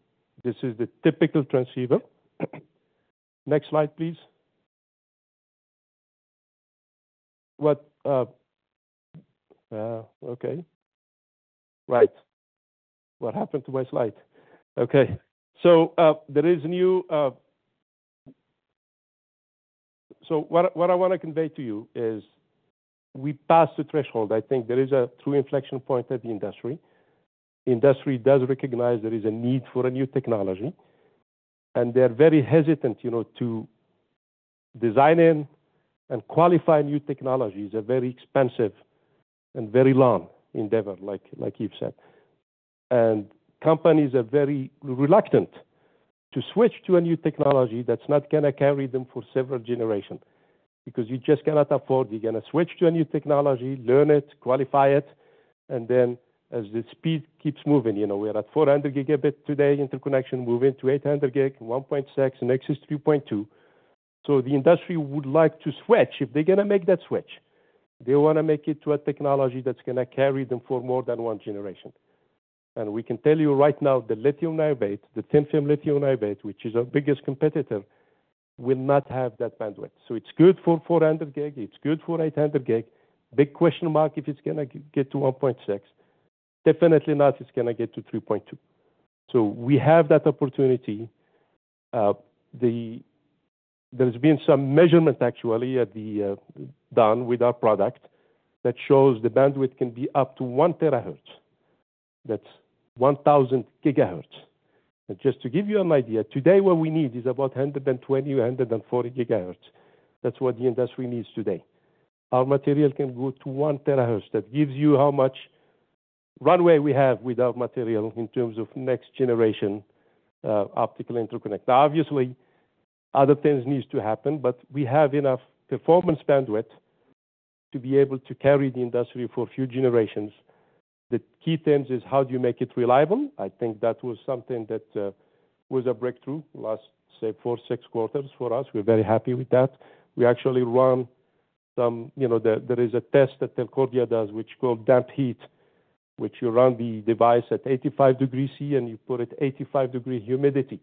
this is the typical transceiver. Next slide, please. Okay. Right. What happened to my slide? Okay. There is a new so what I want to convey to you is we passed the threshold. I think there is a true inflection point at the industry. Industry does recognize there is a need for a new technology. They're very hesitant to design in and qualify new technologies. They're very expensive and very long endeavor, like Yves said. Companies are very reluctant to switch to a new technology that's not going to carry them for several generations because you just cannot afford. You're going to switch to a new technology, learn it, qualify it, and then as the speed keeps moving, we're at 400 Gb today, interconnection moving to 800 Gb, 1.6 Tb, and next is 3.2 Tb. The industry would like to switch. If they're going to make that switch, they want to make it to a technology that's going to carry them for more than one generation. We can tell you right now, the lithium niobate, the thin film lithium niobate, which is our biggest competitor, will not have that bandwidth. It's good for 400 Gb. It's good for 800 Gb. Big question mark if it's going to get to 1.6 Tb. Definitely not, it's going to get to 3.2 Tb. We have that opportunity. There's been some measurement actually done with our product that shows the bandwidth can be up to 1 THz. That's 1,000 gigahertz. Just to give you an idea, today what we need is about 120-140 gigahertz. That's what the industry needs today. Our material can go to 1 THz. That gives you how much runway we have with our material in terms of next generation optical interconnect. Now, obviously, other things need to happen, but we have enough performance bandwidth to be able to carry the industry for a few generations. The key things is how do you make it reliable? I think that was something that was a breakthrough last, say, four, six quarters for us. We're very happy with that. We actually run some, there is a test that Telcordia does, which is called damp heat, which you run the device at 85°C, and you put it at 85° humidity.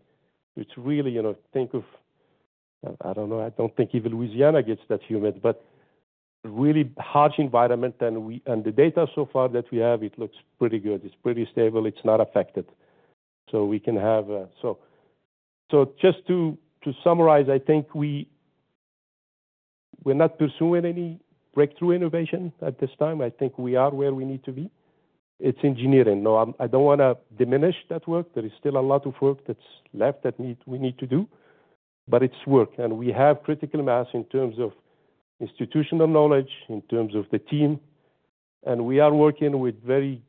It's really, think of, I don't know. I don't think even Louisiana gets that humid, but really harsh environment. The data so far that we have, it looks pretty good. It's pretty stable. It's not affected. We can have, so just to summarize, I think we're not pursuing any breakthrough innovation at this time. I think we are where we need to be. It's engineering. No, I don't want to diminish that work. There is still a lot of work that's left that we need to do, but it's work. We have critical mass in terms of institutional knowledge, in terms of the team. We are working with very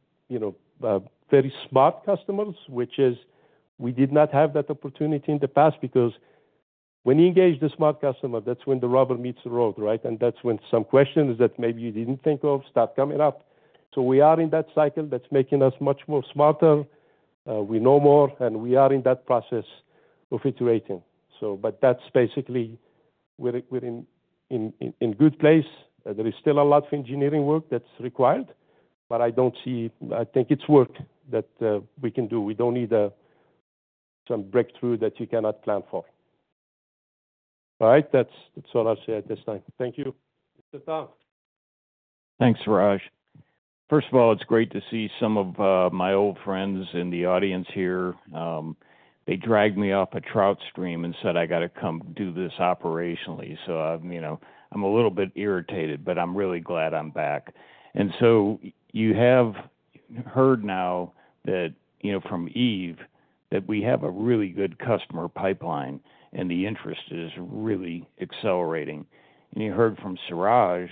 smart customers, which is we did not have that opportunity in the past because when you engage the smart customer, that's when the rubber meets the road, right? That's when some questions that maybe you did not think of start coming up. We are in that cycle that's making us much more smarter. We know more, and we are in that process of iterating. That's basically we are in a good place. There is still a lot of engineering work that's required, but I do not see, I think it's work that we can do. We do not need some breakthrough that you cannot plan for. All right. That's all I'll say at this time. Thank you. Mr. Tom. Thanks, Siraj. First of all, it's great to see some of my old friends in the audience here. They dragged me off a trout stream and said, "I got to come do this operationally." I am a little bit irritated, but I am really glad I am back. You have heard now from Yves that we have a really good customer pipeline, and the interest is really accelerating. You heard from Siraj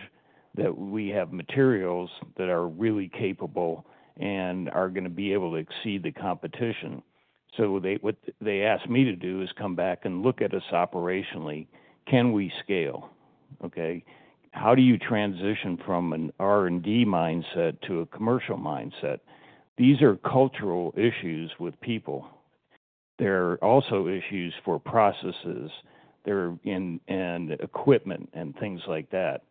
that we have materials that are really capable and are going to be able to exceed the competition. What they asked me to do is come back and look at us operationally. Can we scale? Okay. How do you transition from an R&D mindset to a commercial mindset? These are cultural issues with people. There are also issues for processes and equipment and things like that.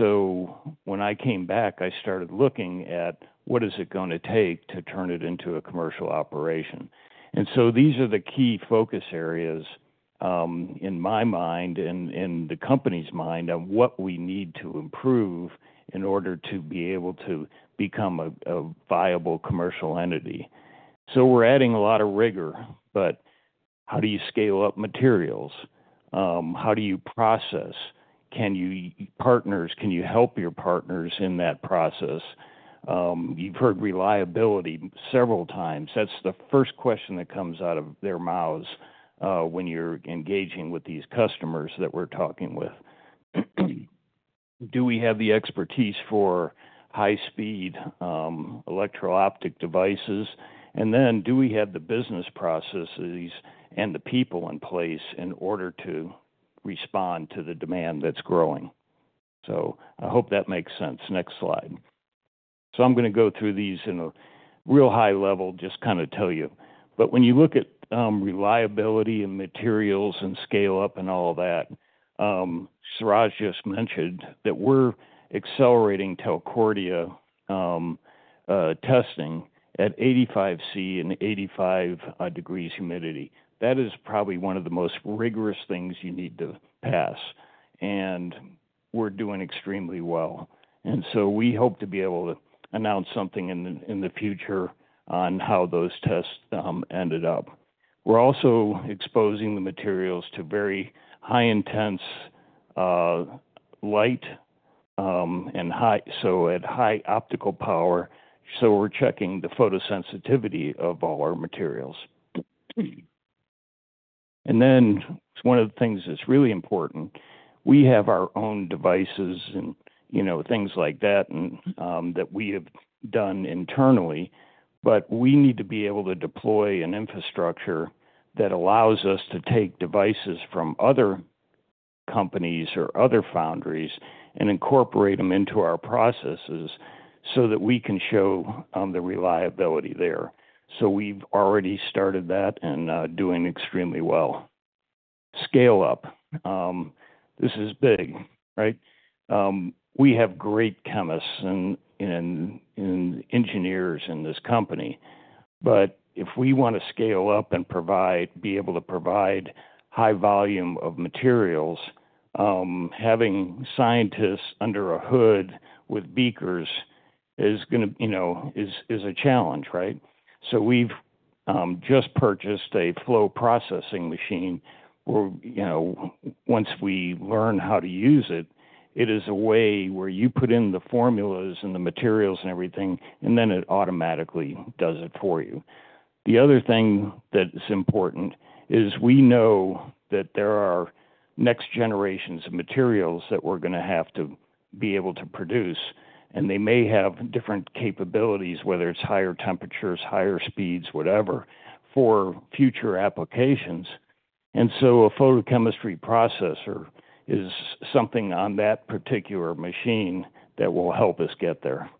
When I came back, I started looking at what is it going to take to turn it into a commercial operation. These are the key focus areas in my mind and in the company's mind on what we need to improve in order to be able to become a viable commercial entity. We are adding a lot of rigor, but how do you scale up materials? How do you process? Can you partner? Can you help your partners in that process? You have heard reliability several times. That is the first question that comes out of their mouths when you are engaging with these customers that we are talking with. Do we have the expertise for high-speed electrical optic devices? Do we have the business processes and the people in place in order to respond to the demand that is growing? I hope that makes sense. Next slide. I am going to go through these in a real high level, just kind of tell you. When you look at reliability and materials and scale-up and all that, Siraj just mentioned that we're accelerating Telcordia testing at 85°C and 85° humidity. That is probably one of the most rigorous things you need to pass. We're doing extremely well. We hope to be able to announce something in the future on how those tests ended up. We're also exposing the materials to very high-intense light at high optical power. We're checking the photosensitivity of all our materials. One of the things that's really important, we have our own devices and things like that that we have done internally, but we need to be able to deploy an infrastructure that allows us to take devices from other companies or other foundries and incorporate them into our processes so that we can show the reliability there. We've already started that and doing extremely well. Scale-up. This is big, right? We have great chemists and engineers in this company. If we want to scale up and be able to provide high volume of materials, having scientists under a hood with beakers is going to be a challenge, right? We've just purchased a flow processing machine where once we learn how to use it, it is a way where you put in the formulas and the materials and everything, and then it automatically does it for you. The other thing that is important is we know that there are next generations of materials that we're going to have to be able to produce. They may have different capabilities, whether it's higher temperatures, higher speeds, whatever, for future applications. A photochemistry processor is something on that particular machine that will help us get there.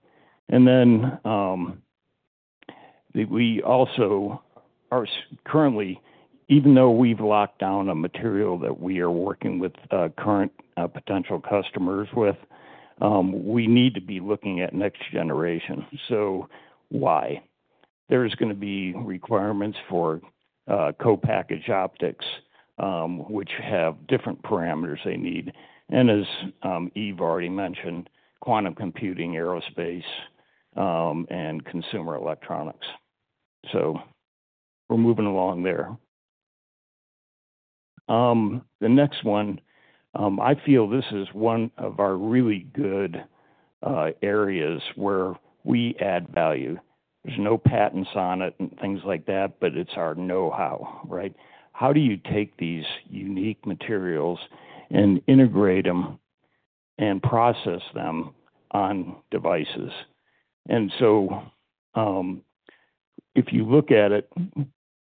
We also are currently, even though we've locked down a material that we are working with current potential customers with, we need to be looking at next generation. Why? There are going to be requirements for co-package optics, which have different parameters they need. As Yves already mentioned, quantum computing, aerospace, and consumer electronics. We are moving along there. The next one, I feel this is one of our really good areas where we add value. There are no patents on it and things like that, but it's our know-how, right? How do you take these unique materials and integrate them and process them on devices? If you look at it,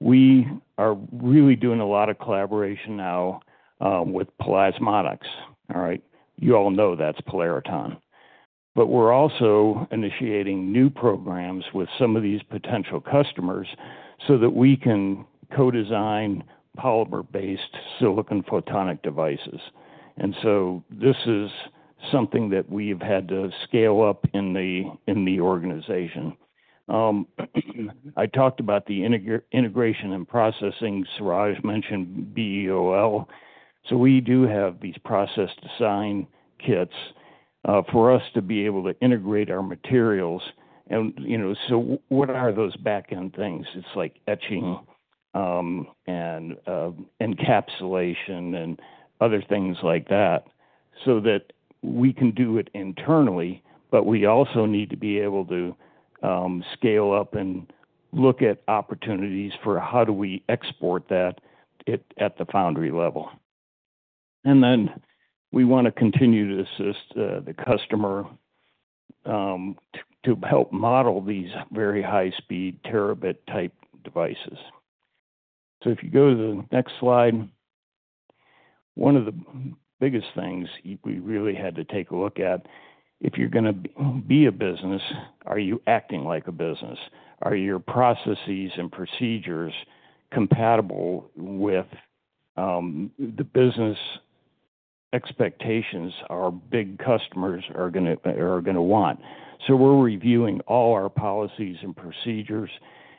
we are really doing a lot of collaboration now with plasmonics. All right. You all know that's polyurethane. We are also initiating new programs with some of these potential customers so that we can co-design polymer-based silicon photonic devices. This is something that we have had to scale up in the organization. I talked about the integration and processing. Siraj mentioned BEOL. We do have these process design kits for us to be able to integrate our materials. What are those backend things? It is like etching and encapsulation and other things like that so that we can do it internally, but we also need to be able to scale up and look at opportunities for how we export that at the foundry level. We want to continue to assist the customer to help model these very high-speed terabit-type devices. If you go to the next slide, one of the biggest things we really had to take a look at, if you're going to be a business, are you acting like a business? Are your processes and procedures compatible with the business expectations our big customers are going to want? We're reviewing all our policies and procedures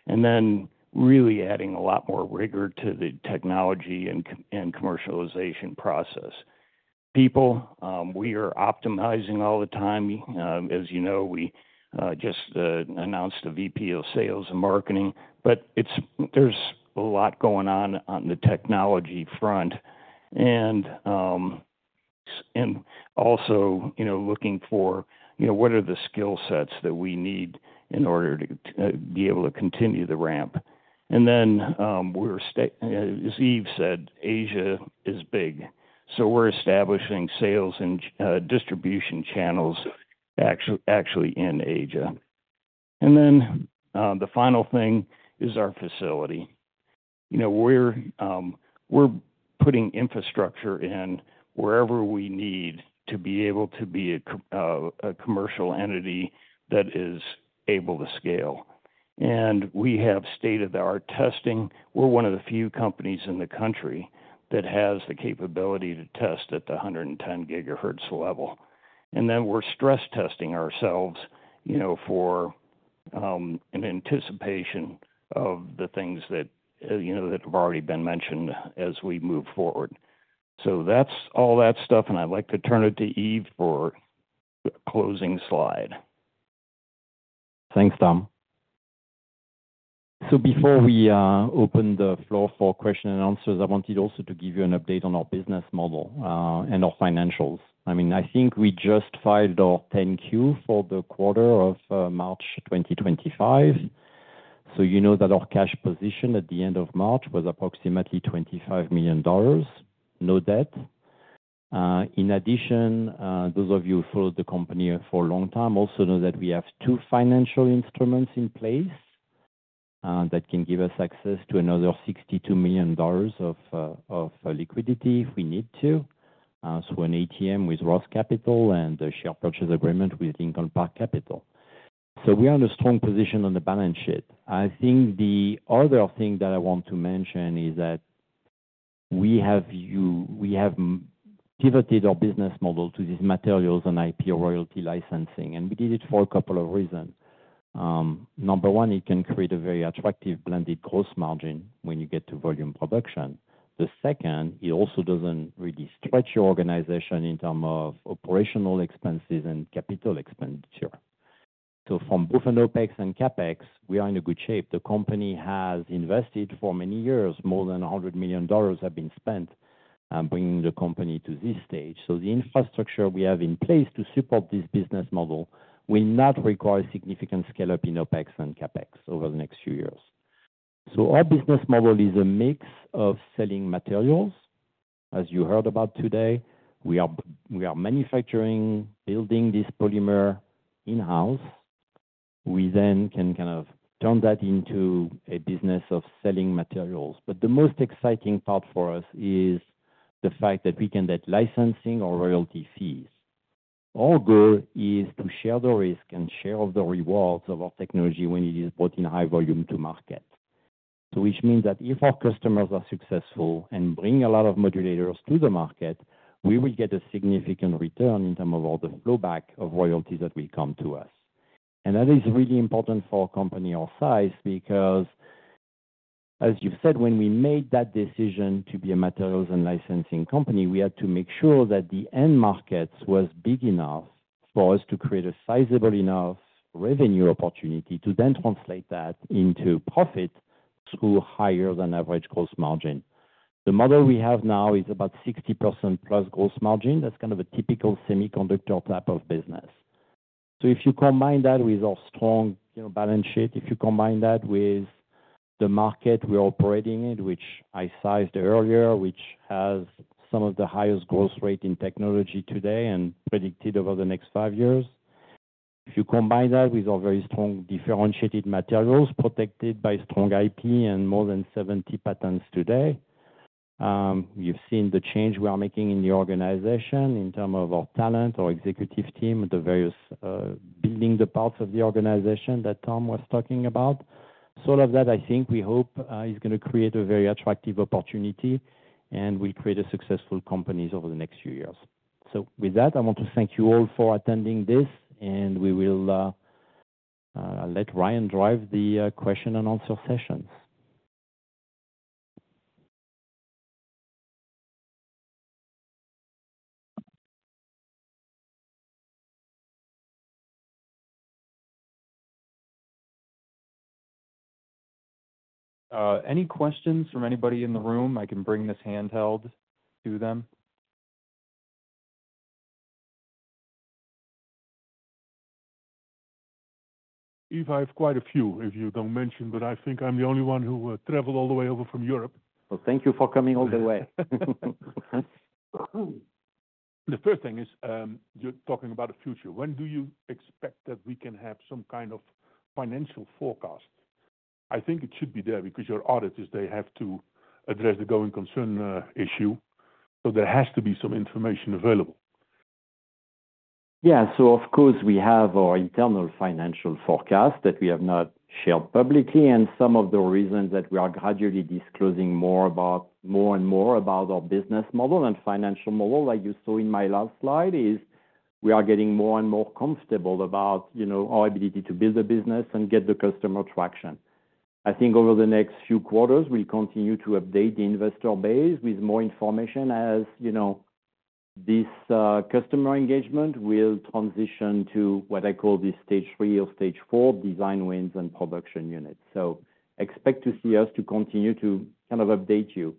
and then really adding a lot more rigor to the technology and commercialization process. People, we are optimizing all the time. As you know, we just announced the VP of Sales and Marketing, but there's a lot going on on the technology front and also looking for what are the skill sets that we need in order to be able to continue the ramp. As Yves said, Asia is big. We're establishing sales and distribution channels actually in Asia. The final thing is our facility. We're putting infrastructure in wherever we need to be able to be a commercial entity that is able to scale. We have state-of-the-art testing. We're one of the few companies in the country that has the capability to test at the 110 GHz level. We're stress testing ourselves for an anticipation of the things that have already been mentioned as we move forward. That's all that stuff, and I'd like to turn it to Yves for the closing slide. Thanks, Tom. Before we open the floor for questions and answers, I wanted also to give you an update on our business model and our financials. I mean, I think we just filed our 10-Q for the quarter of March 2025. You know that our cash position at the end of March was approximately $25 million, no debt. In addition, those of you who followed the company for a long time also know that we have two financial instruments in place that can give us access to another $62 million of liquidity if we need to. An ATM with ROTH Capital and a share purchase agreement with Lincoln Park Capital. We are in a strong position on the balance sheet. I think the other thing that I want to mention is that we have pivoted our business model to these materials and IP royalty licensing, and we did it for a couple of reasons. Number one, it can create a very attractive blended gross margin when you get to volume production. The second, it also does not really stretch your organization in terms of operational expenses and capital expenditure. From both an OpEx and CapEx, we are in good shape. The company has invested for many years. More than $100 million have been spent bringing the company to this stage. The infrastructure we have in place to support this business model will not require significant scale-up in OpEx and CapEx over the next few years. Our business model is a mix of selling materials, as you heard about today. We are manufacturing, building this polymer in-house. We then can kind of turn that into a business of selling materials. The most exciting part for us is the fact that we can get licensing or royalty fees. Our goal is to share the risk and share of the rewards of our technology when it is brought in high volume to market. Which means that if our customers are successful and bring a lot of modulators to the market, we will get a significant return in terms of all the flowback of royalties that will come to us. That is really important for a company our size because, as you've said, when we made that decision to be a materials and licensing company, we had to make sure that the end markets were big enough for us to create a sizable enough revenue opportunity to then translate that into profit through higher-than-average gross margin. The model we have now is about 60%+ gross margin. That's kind of a typical semiconductor type of business. If you combine that with our strong balance sheet, if you combine that with the market we're operating in, which I sized earlier, which has some of the highest growth rate in technology today and predicted over the next five years, if you combine that with our very strong differentiated materials protected by strong IP and more than 70 patents today, you've seen the change we are making in the organization in terms of our talent, our executive team, the various building the parts of the organization that Tom was talking about. All of that, I think we hope is going to create a very attractive opportunity and will create a successful company over the next few years. With that, I want to thank you all for attending this, and we will let Ryan drive the question-and-answer sessions. Any questions from anybody in the room? I can bring this handheld to them. Yves, I have quite a few if you do not mention, but I think I am the only one who traveled all the way over from Europe. Thank you for coming all the way. The first thing is you are talking about the future. When do you expect that we can have some kind of financial forecast? I think it should be there because your auditors, they have to address the going concern issue. There has to be some information available. Yeah. Of course, we have our internal financial forecast that we have not shared publicly. Some of the reasons that we are gradually disclosing more and more about our business model and financial model, like you saw in my last slide, is we are getting more and more comfortable about our ability to build a business and get the customer traction. I think over the next few quarters, we'll continue to update the investor base with more information as this customer engagement will transition to what I call the stage three or stage four design wins and production units. Expect to see us continue to kind of update you.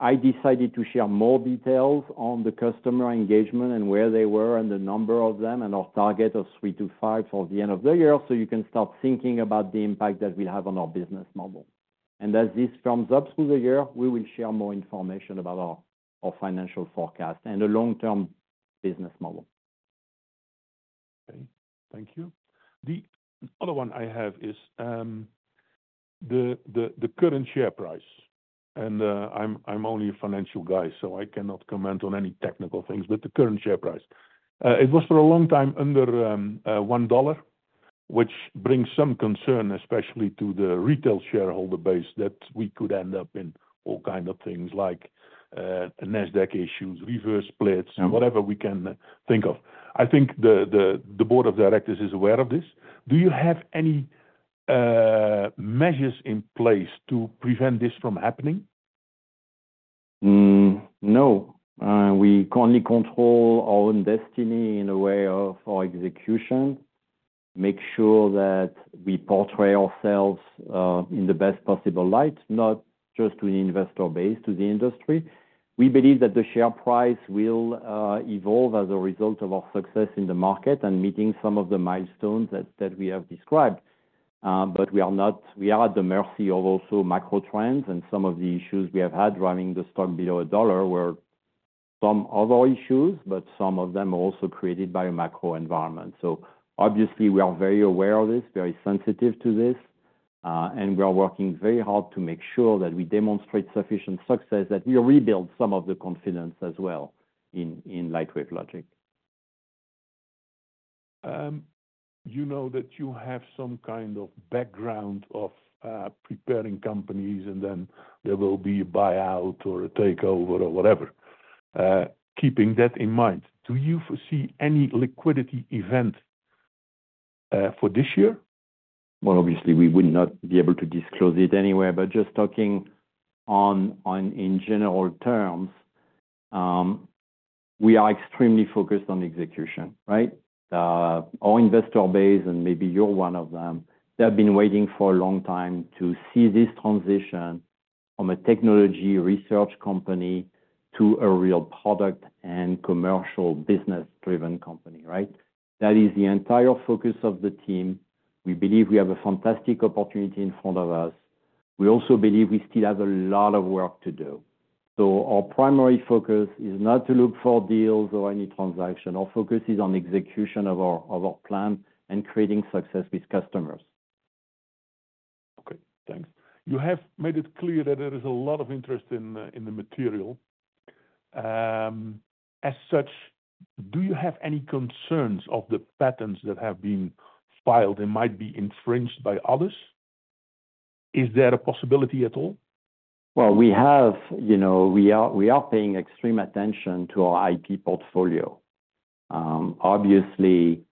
I decided to share more details on the customer engagement and where they were and the number of them and our target of three to five for the end of the year so you can start thinking about the impact that will have on our business model. As this firms up through the year, we will share more information about our financial forecast and the long-term business model. Okay. Thank you. The other one I have is the current share price. I'm only a financial guy, so I cannot comment on any technical things, but the current share price. It was for a long time under $1, which brings some concern, especially to the retail shareholder base, that we could end up in all kinds of things like NASDAQ issues, reverse splits, whatever we can think of. I think the board of directors is aware of this. Do you have any measures in place to prevent this from happening? No. We only control our own destiny in the way of our execution, make sure that we portray ourselves in the best possible light, not just to the investor base, to the industry. We believe that the share price will evolve as a result of our success in the market and meeting some of the milestones that we have described. We are at the mercy of also macro trends, and some of the issues we have had driving the stock below a dollar were some other issues, but some of them were also created by a macro environment. Obviously, we are very aware of this, very sensitive to this, and we are working very hard to make sure that we demonstrate sufficient success, that we rebuild some of the confidence as well in Lightwave Logic. You know that you have some kind of background of preparing companies, and then there will be a buyout or a takeover or whatever. Keeping that in mind, do you foresee any liquidity event for this year? Obviously, we would not be able to disclose it anyway. Just talking in general terms, we are extremely focused on execution, right? Our investor base, and maybe you're one of them, they have been waiting for a long time to see this transition from a technology research company to a real product and commercial business-driven company, right? That is the entire focus of the team. We believe we have a fantastic opportunity in front of us. We also believe we still have a lot of work to do. Our primary focus is not to look for deals or any transaction. Our focus is on execution of our plan and creating success with customers. Okay. Thanks. You have made it clear that there is a lot of interest in the material. As such, do you have any concerns of the patents that have been filed and might be infringed by others? Is there a possibility at all? We have been paying extreme attention to our IP portfolio. Obviously,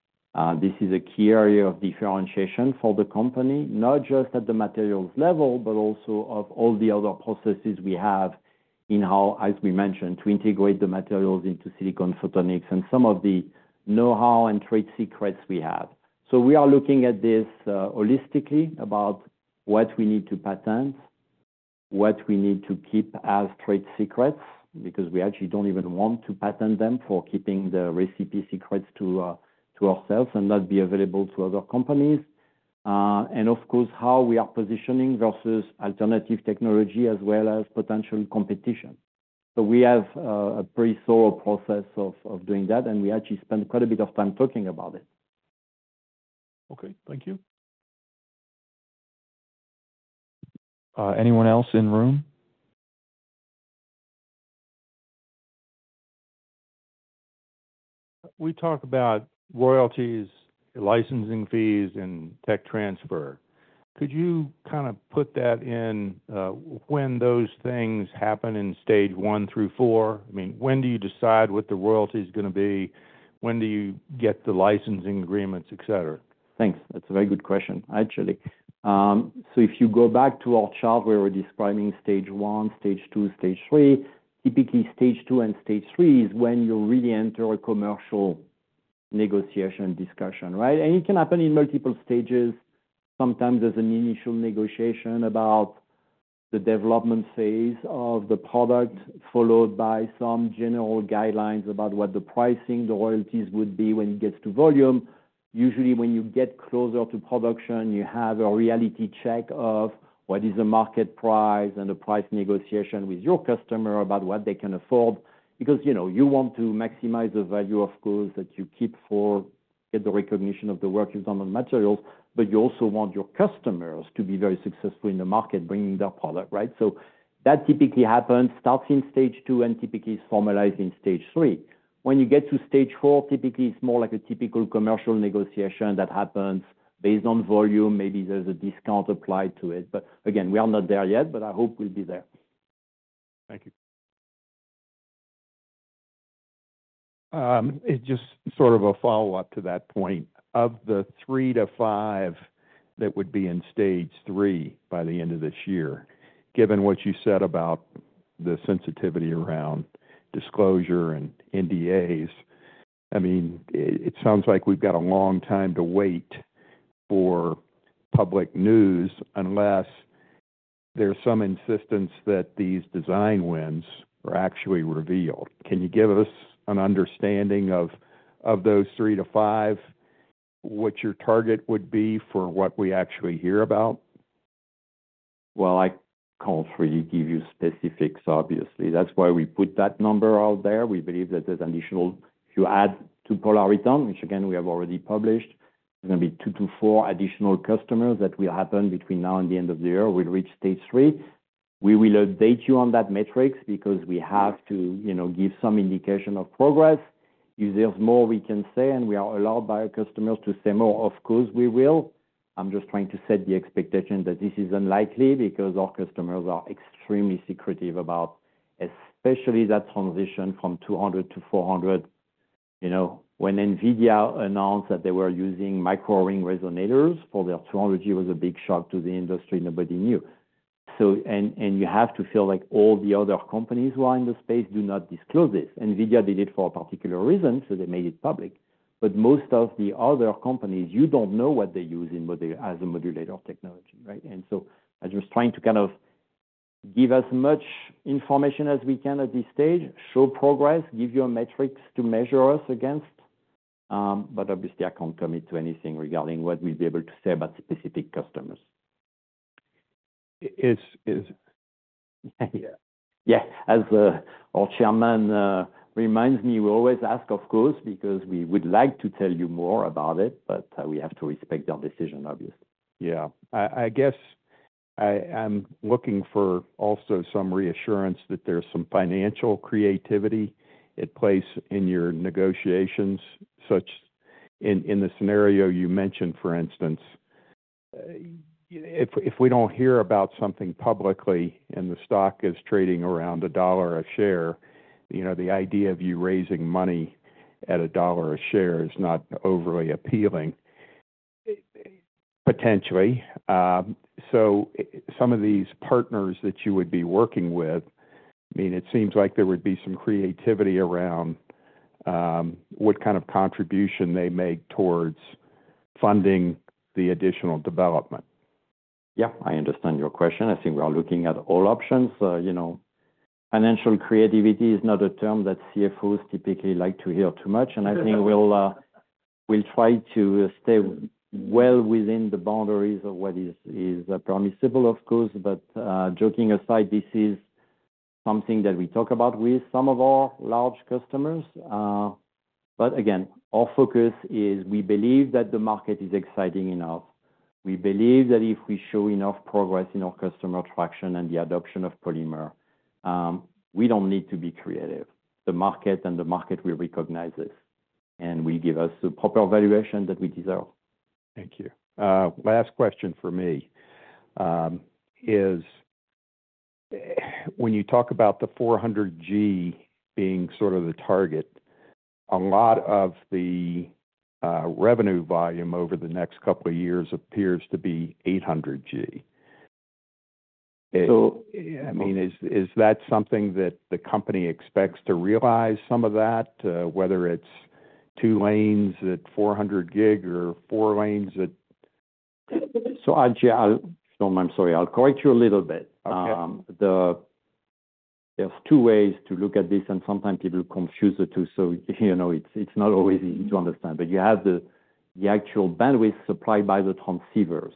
this is a key area of differentiation for the company, not just at the materials level, but also of all the other processes we have in how, as we mentioned, to integrate the materials into silicon photonics and some of the know-how and trade secrets we have. We are looking at this holistically about what we need to patent, what we need to keep as trade secrets because we actually do not even want to patent them for keeping the recipe secrets to ourselves and not be available to other companies. Of course, how we are positioning versus alternative technology as well as potential competition. We have a pretty thorough process of doing that, and we actually spent quite a bit of time talking about it. Okay. Thank you. Anyone else in room? We talked about royalties, licensing fees, and tech transfer. Could you kind of put that in when those things happen in stage one through four? I mean, when do you decide what the royalty is going to be? When do you get the licensing agreements, etc.? Thanks. That's a very good question, actually. If you go back to our chart, we were describing stage one, stage two, stage three. Typically, stage two and stage three is when you really enter a commercial negotiation discussion, right? It can happen in multiple stages. Sometimes there's an initial negotiation about the development phase of the product, followed by some general guidelines about what the pricing, the royalties would be when it gets to volume. Usually, when you get closer to production, you have a reality check of what is the market price and the price negotiation with your customer about what they can afford because you want to maximize the value, of course, that you keep for the recognition of the work you've done on materials, but you also want your customers to be very successful in the market bringing their product, right? That typically happens starting stage two and typically is formalized in stage three. When you get to stage four, typically, it's more like a typical commercial negotiation that happens based on volume. Maybe there's a discount applied to it. Again, we are not there yet, but I hope we'll be there. Thank you. Just sort of a follow-up to that point. Of the three to five that would be in stage three by the end of this year, given what you said about the sensitivity around disclosure and NDAs, I mean, it sounds like we've got a long time to wait for public news unless there's some insistence that these design wins are actually revealed. Can you give us an understanding of those three to five, what your target would be for what we actually hear about? I can't really give you specifics, obviously. That's why we put that number out there. We believe that there's additional if you add to Polariton, which again, we have already published, there's going to be two to four additional customers that will happen between now and the end of the year. We'll reach stage three. We will update you on that metrics because we have to give some indication of progress. If there's more, we can say, and we are allowed by our customers to say more. Of course, we will. I'm just trying to set the expectation that this is unlikely because our customers are extremely secretive about especially that transition from 200 to 400. When NVIDIA announced that they were using micro-ring resonators for their 200G, it was a big shock to the industry. Nobody knew. You have to feel like all the other companies who are in the space do not disclose this. NVIDIA did it for a particular reason, so they made it public. Most of the other companies, you do not know what they use as a modulator technology, right? I'm just trying to kind of give as much information as we can at this stage, show progress, give you a metrics to measure us against. Obviously, I can't commit to anything regarding what we'll be able to say about specific customers. As our Chairman reminds me, we always ask, of course, because we would like to tell you more about it, but we have to respect their decision, obviously. I guess I'm looking for also some reassurance that there's some financial creativity at play in your negotiations. In the scenario you mentioned, for instance, if we don't hear about something publicly and the stock is trading around $1 a share, the idea of you raising money at $1 a share is not overly appealing, potentially. Some of these partners that you would be working with, I mean, it seems like there would be some creativity around what kind of contribution they make towards funding the additional development. I understand your question. I think we are looking at all options. Financial creativity is not a term that CFOs typically like to hear too much. I think we'll try to stay well within the boundaries of what is permissible, of course. Joking aside, this is something that we talk about with some of our large customers. Again, our focus is we believe that the market is exciting enough. We believe that if we show enough progress in our customer traction and the adoption of polymer, we do not need to be creative. The market and the market will recognize this, and will give us the proper valuation that we deserve. Thank you. My last question for me is, when you talk about the 400G being sort of the target, a lot of the revenue volume over the next couple of years appears to be 800G. I mean, is that something that the company expects to realize some of that, whether it's two lanes at 400 Gb or four lanes at? Actually, I'm sorry. I'll correct you a little bit. There are two ways to look at this, and sometimes people confuse the two, so it's not always easy to understand. You have the actual bandwidth supplied by the transceivers.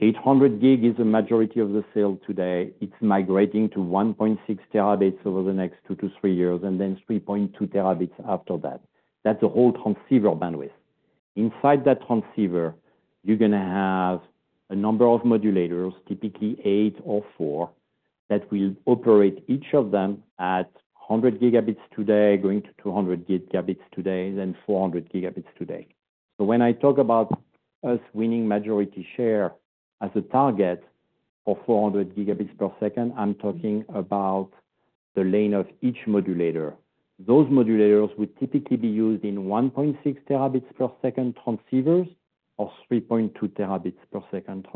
800 Gb is the majority of the sale today. It's migrating to 1.6 Tb over the next two to three years, and then 3.2 Tb after that. That's the whole transceiver bandwidth. Inside that transceiver, you're going to have a number of modulators, typically eight or four, that will operate each of them at 100 Gb today, going to 200 Gb today, then 400 Gb today. When I talk about us winning majority share as a target for 400 Gbps, I'm talking about the lane of each modulator. Those modulators would typically be used in 1.6 Tbps transceivers or 3.2 Tbps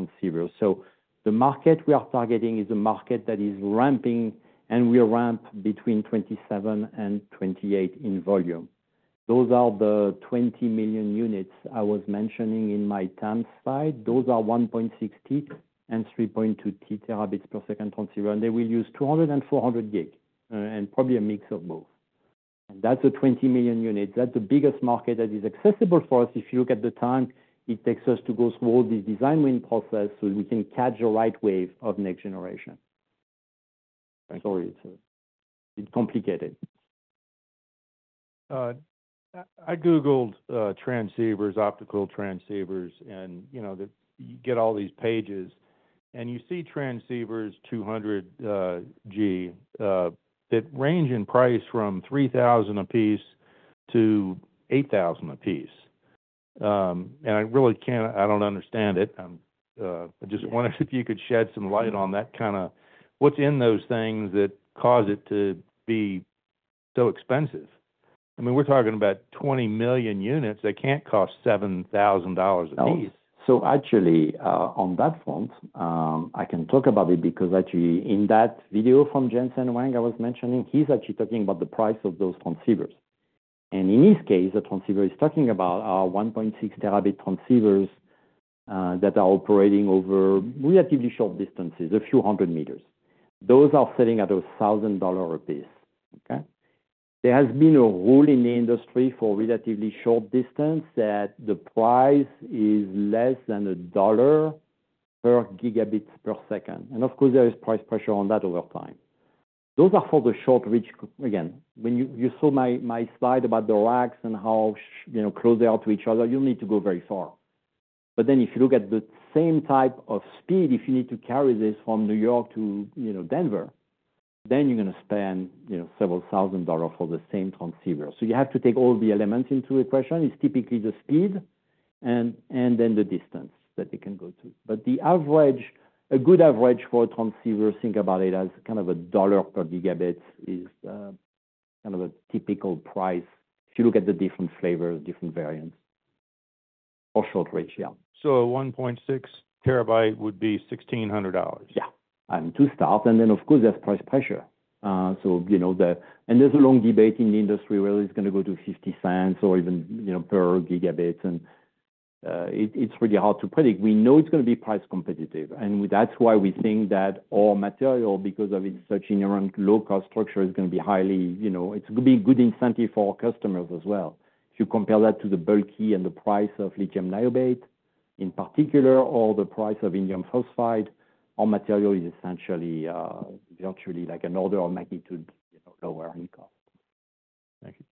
transceivers. The market we are targeting is a market that is ramping, and we ramp between 2027 and 2028 in volume. Those are the 20 million units I was mentioning in my TAM slide. Those are 1.6T and 3.2T terabits per second transceivers. They will use 200 and 400 Gb and probably a mix of both. That is the 20 million units. That is the biggest market that is accessible for us. If you look at the time it takes us to go through all these design win processes so we can catch a light wave of next generation. Sorry, it's a bit complicated. I googled transceivers, optical transceivers, and you get all these pages, and you see transceivers 200G that range in price from $3,000 a piece to $8,000 a piece. I really can't—I don't understand it. I just wondered if you could shed some light on that, kind of what's in those things that cause it to be so expensive. I mean, we're talking about 20 million units. They can't cost $7,000 a piece. Actually, on that front, I can talk about it because actually, in that video from Jensen Huang I was mentioning, he's actually talking about the price of those transceivers. In his case, the transceiver he's talking about are 1.6 terabit transceivers that are operating over relatively short distances, a few hundred meters. Those are selling at $1,000 a piece, okay? There has been a rule in the industry for relatively short distance that the price is less than $1 per gigabit per second. Of course, there is price pressure on that over time. Those are for the short reach. Again, when you saw my slide about the racks and how close they are to each other, you do not need to go very far. If you look at the same type of speed, if you need to carry this from New York to Denver, you are going to spend several thousand dollars for the same transceiver. You have to take all the elements into equation. It is typically the speed and then the distance that they can go to. A good average for a transceiver, think about it as kind of a dollar per gigabit, is kind of a typical price if you look at the different flavors, different variants, or short reach, yeah. So 1.6 Tb would be $1,600? Yeah. To start. Of course, there is price pressure. There is a long debate in the industry whether it is going to go to $0.50 or even per gigabit. It is really hard to predict. We know it is going to be price competitive. That is why we think that our material, because of its such inherent low-cost structure, is going to be highly—it is going to be a good incentive for our customers as well. If you compare that to the bulky and the price of lithium niobate in particular, or the price of indium phosphide, our material is essentially virtually like an order of magnitude lower in cost. Thank you.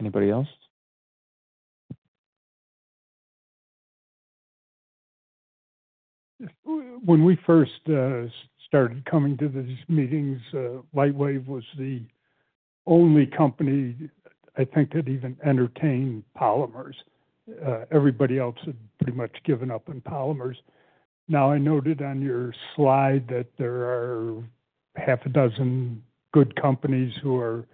Anybody else? When we first started coming to these meetings, Lightwave was the only company, I think, that even entertained polymers. Everybody else had pretty much given up on polymers. Now, I noted on your slide that there are half a dozen good companies who are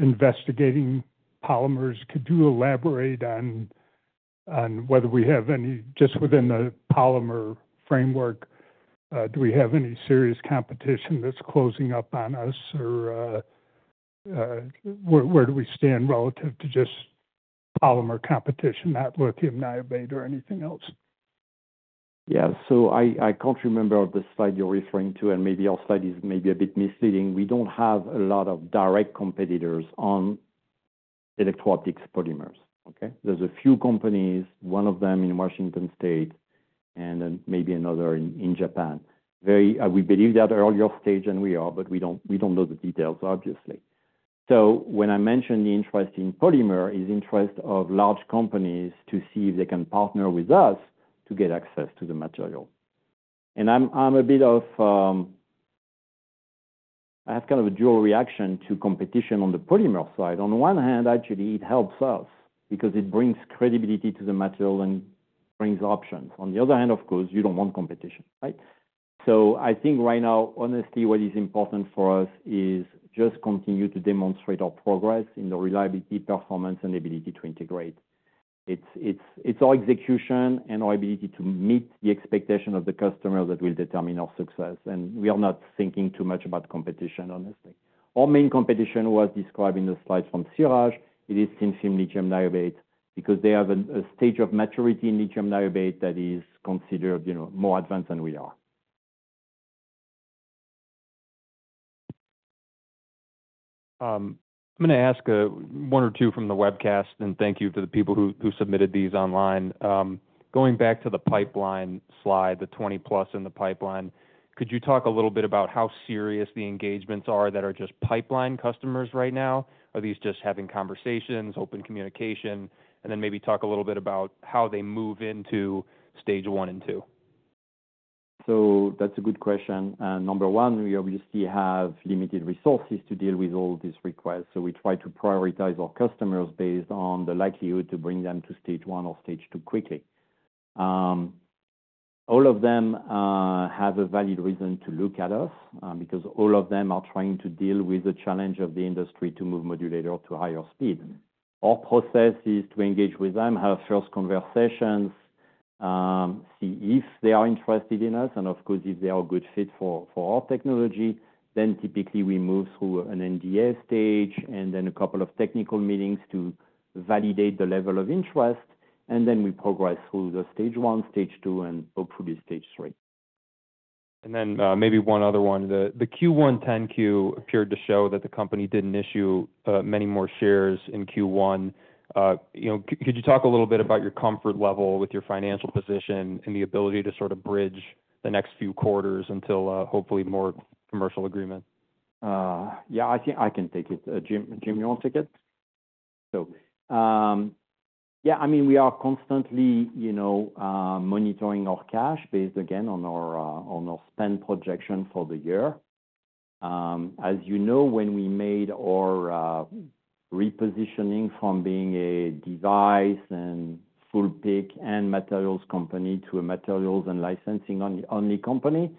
investigating polymers. Could you elaborate on whether we have any—just within the polymer framework, do we have any serious competition that's closing up on us, or where do we stand relative to just polymer competition, not lithium niobate or anything else? Yeah. So I can't remember the slide you're referring to, and maybe our slide is maybe a bit misleading. We do not have a lot of direct competitors on electro-optic polymers, okay? There are a few companies, one of them in Washington State and then maybe another in Japan. We believe they are at an earlier stage than we are, but we do not know the details, obviously. When I mentioned the interest in polymer, it is the interest of large companies to see if they can partner with us to get access to the material. I have kind of a dual reaction to competition on the polymer side. On the one hand, actually, it helps us because it brings credibility to the material and brings options. On the other hand, of course, you do not want competition, right? I think right now, honestly, what is important for us is just to continue to demonstrate our progress in the reliability, performance, and ability to integrate. It's our execution and our ability to meet the expectation of the customer that will determine our success. We are not thinking too much about competition, honestly. Our main competition, who I described in the slide from Siraj, it is thin-film lithium niobate because they have a stage of maturity in lithium niobate that is considered more advanced than we are. I'm going to ask one or two from the webcast, and thank you to the people who submitted these online. Going back to the pipeline slide, the 20+ in the pipeline, could you talk a little bit about how serious the engagements are that are just pipeline customers right now? Are these just having conversations, open communication, and then maybe talk a little bit about how they move into stage one and two? That's a good question. Number one, we obviously have limited resources to deal with all these requests. We try to prioritize our customers based on the likelihood to bring them to stage one or stage two quickly. All of them have a valid reason to look at us because all of them are trying to deal with the challenge of the industry to move modulator to higher speed. Our process is to engage with them, have first conversations, see if they are interested in us, and of course, if they are a good fit for our technology, then typically we move through an NDA stage and then a couple of technical meetings to validate the level of interest, and we progress through the stage one, stage two, and hopefully stage three. Maybe one other one. The Q1 10-Q appeared to show that the company did not issue many more shares in Q1. Could you talk a little bit about your comfort level with your financial position and the ability to sort of bridge the next few quarters until hopefully more commercial agreement? Yeah. I can take it. Jim, you want to take it? So, yeah, I mean, we are constantly monitoring our cash based, again, on our spend projection for the year. As you know, when we made our repositioning from being a device and full PIC and materials company to a materials and licensing-only company,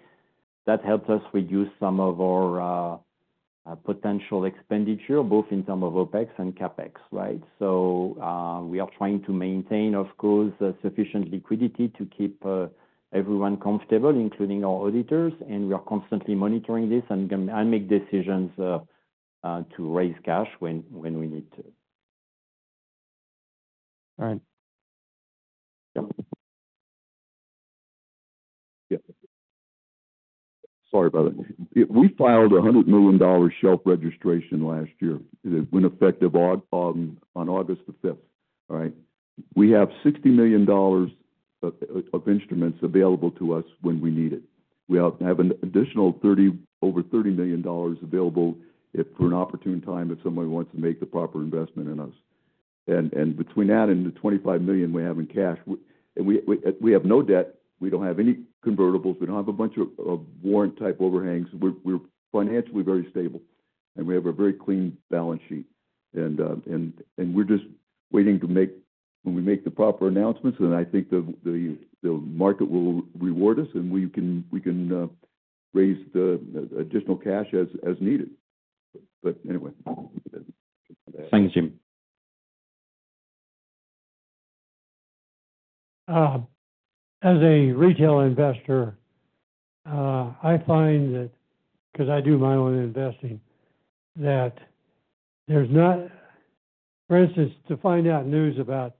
that helped us reduce some of our potential expenditure, both in terms of OpEx and CapEx, right? We are trying to maintain, of course, sufficient liquidity to keep everyone comfortable, including our auditors, and we are constantly monitoring this and make decisions to raise cash when we need to. All right. Sorry, brother. We filed a $100 million shelf registration last year. It went effective on August the 5th, all right? We have $60 million of instruments available to us when we need it. We have an additional over $30 million available for an opportune time if somebody wants to make the proper investment in us. Between that and the $25 million we have in cash, we have no debt. We do not have any convertibles. We do not have a bunch of warrant-type overhangs. We are financially very stable, and we have a very clean balance sheet. We are just waiting to make—when we make the proper announcements, I think the market will reward us, and we can raise the additional cash as needed. Anyway. Thanks, Jim. As a retail investor, I find that, because I do my own investing, there's not—for instance, to find out news about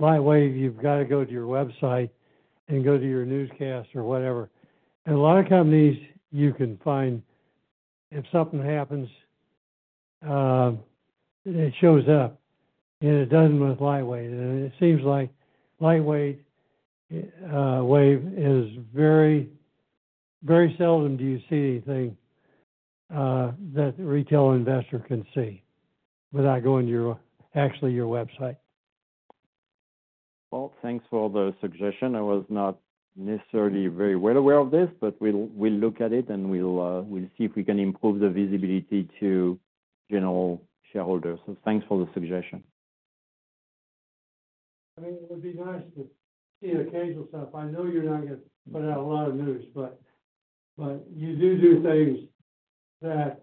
Lightwave, you've got to go to your website and go to your newscast or whatever. A lot of companies you can find, if something happens, it shows up, and it doesn't with Lightwave. It seems like Lightwave is very seldom do you see anything that the retail investor can see without going to actually your website. Thanks for the suggestion. I was not necessarily very well aware of this, but we'll look at it, and we'll see if we can improve the visibility to general shareholders. Thanks for the suggestion. I mean, it would be nice to see occasional stuff. I know you're not going to put out a lot of news, but you do do things that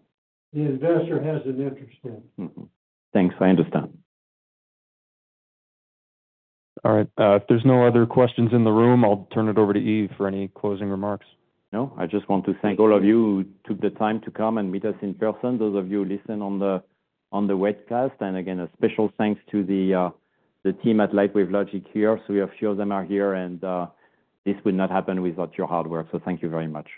the investor has an interest in. Thanks. I understand. All right. If there's no other questions in the room, I'll turn it over to Yves for any closing remarks. No. I just want to thank all of you who took the time to come and meet us in person, those of you listening on the webcast. Again, a special thanks to the team at Lightwave Logic here. A few of them are here, and this would not happen without your hard work. Thank you very much.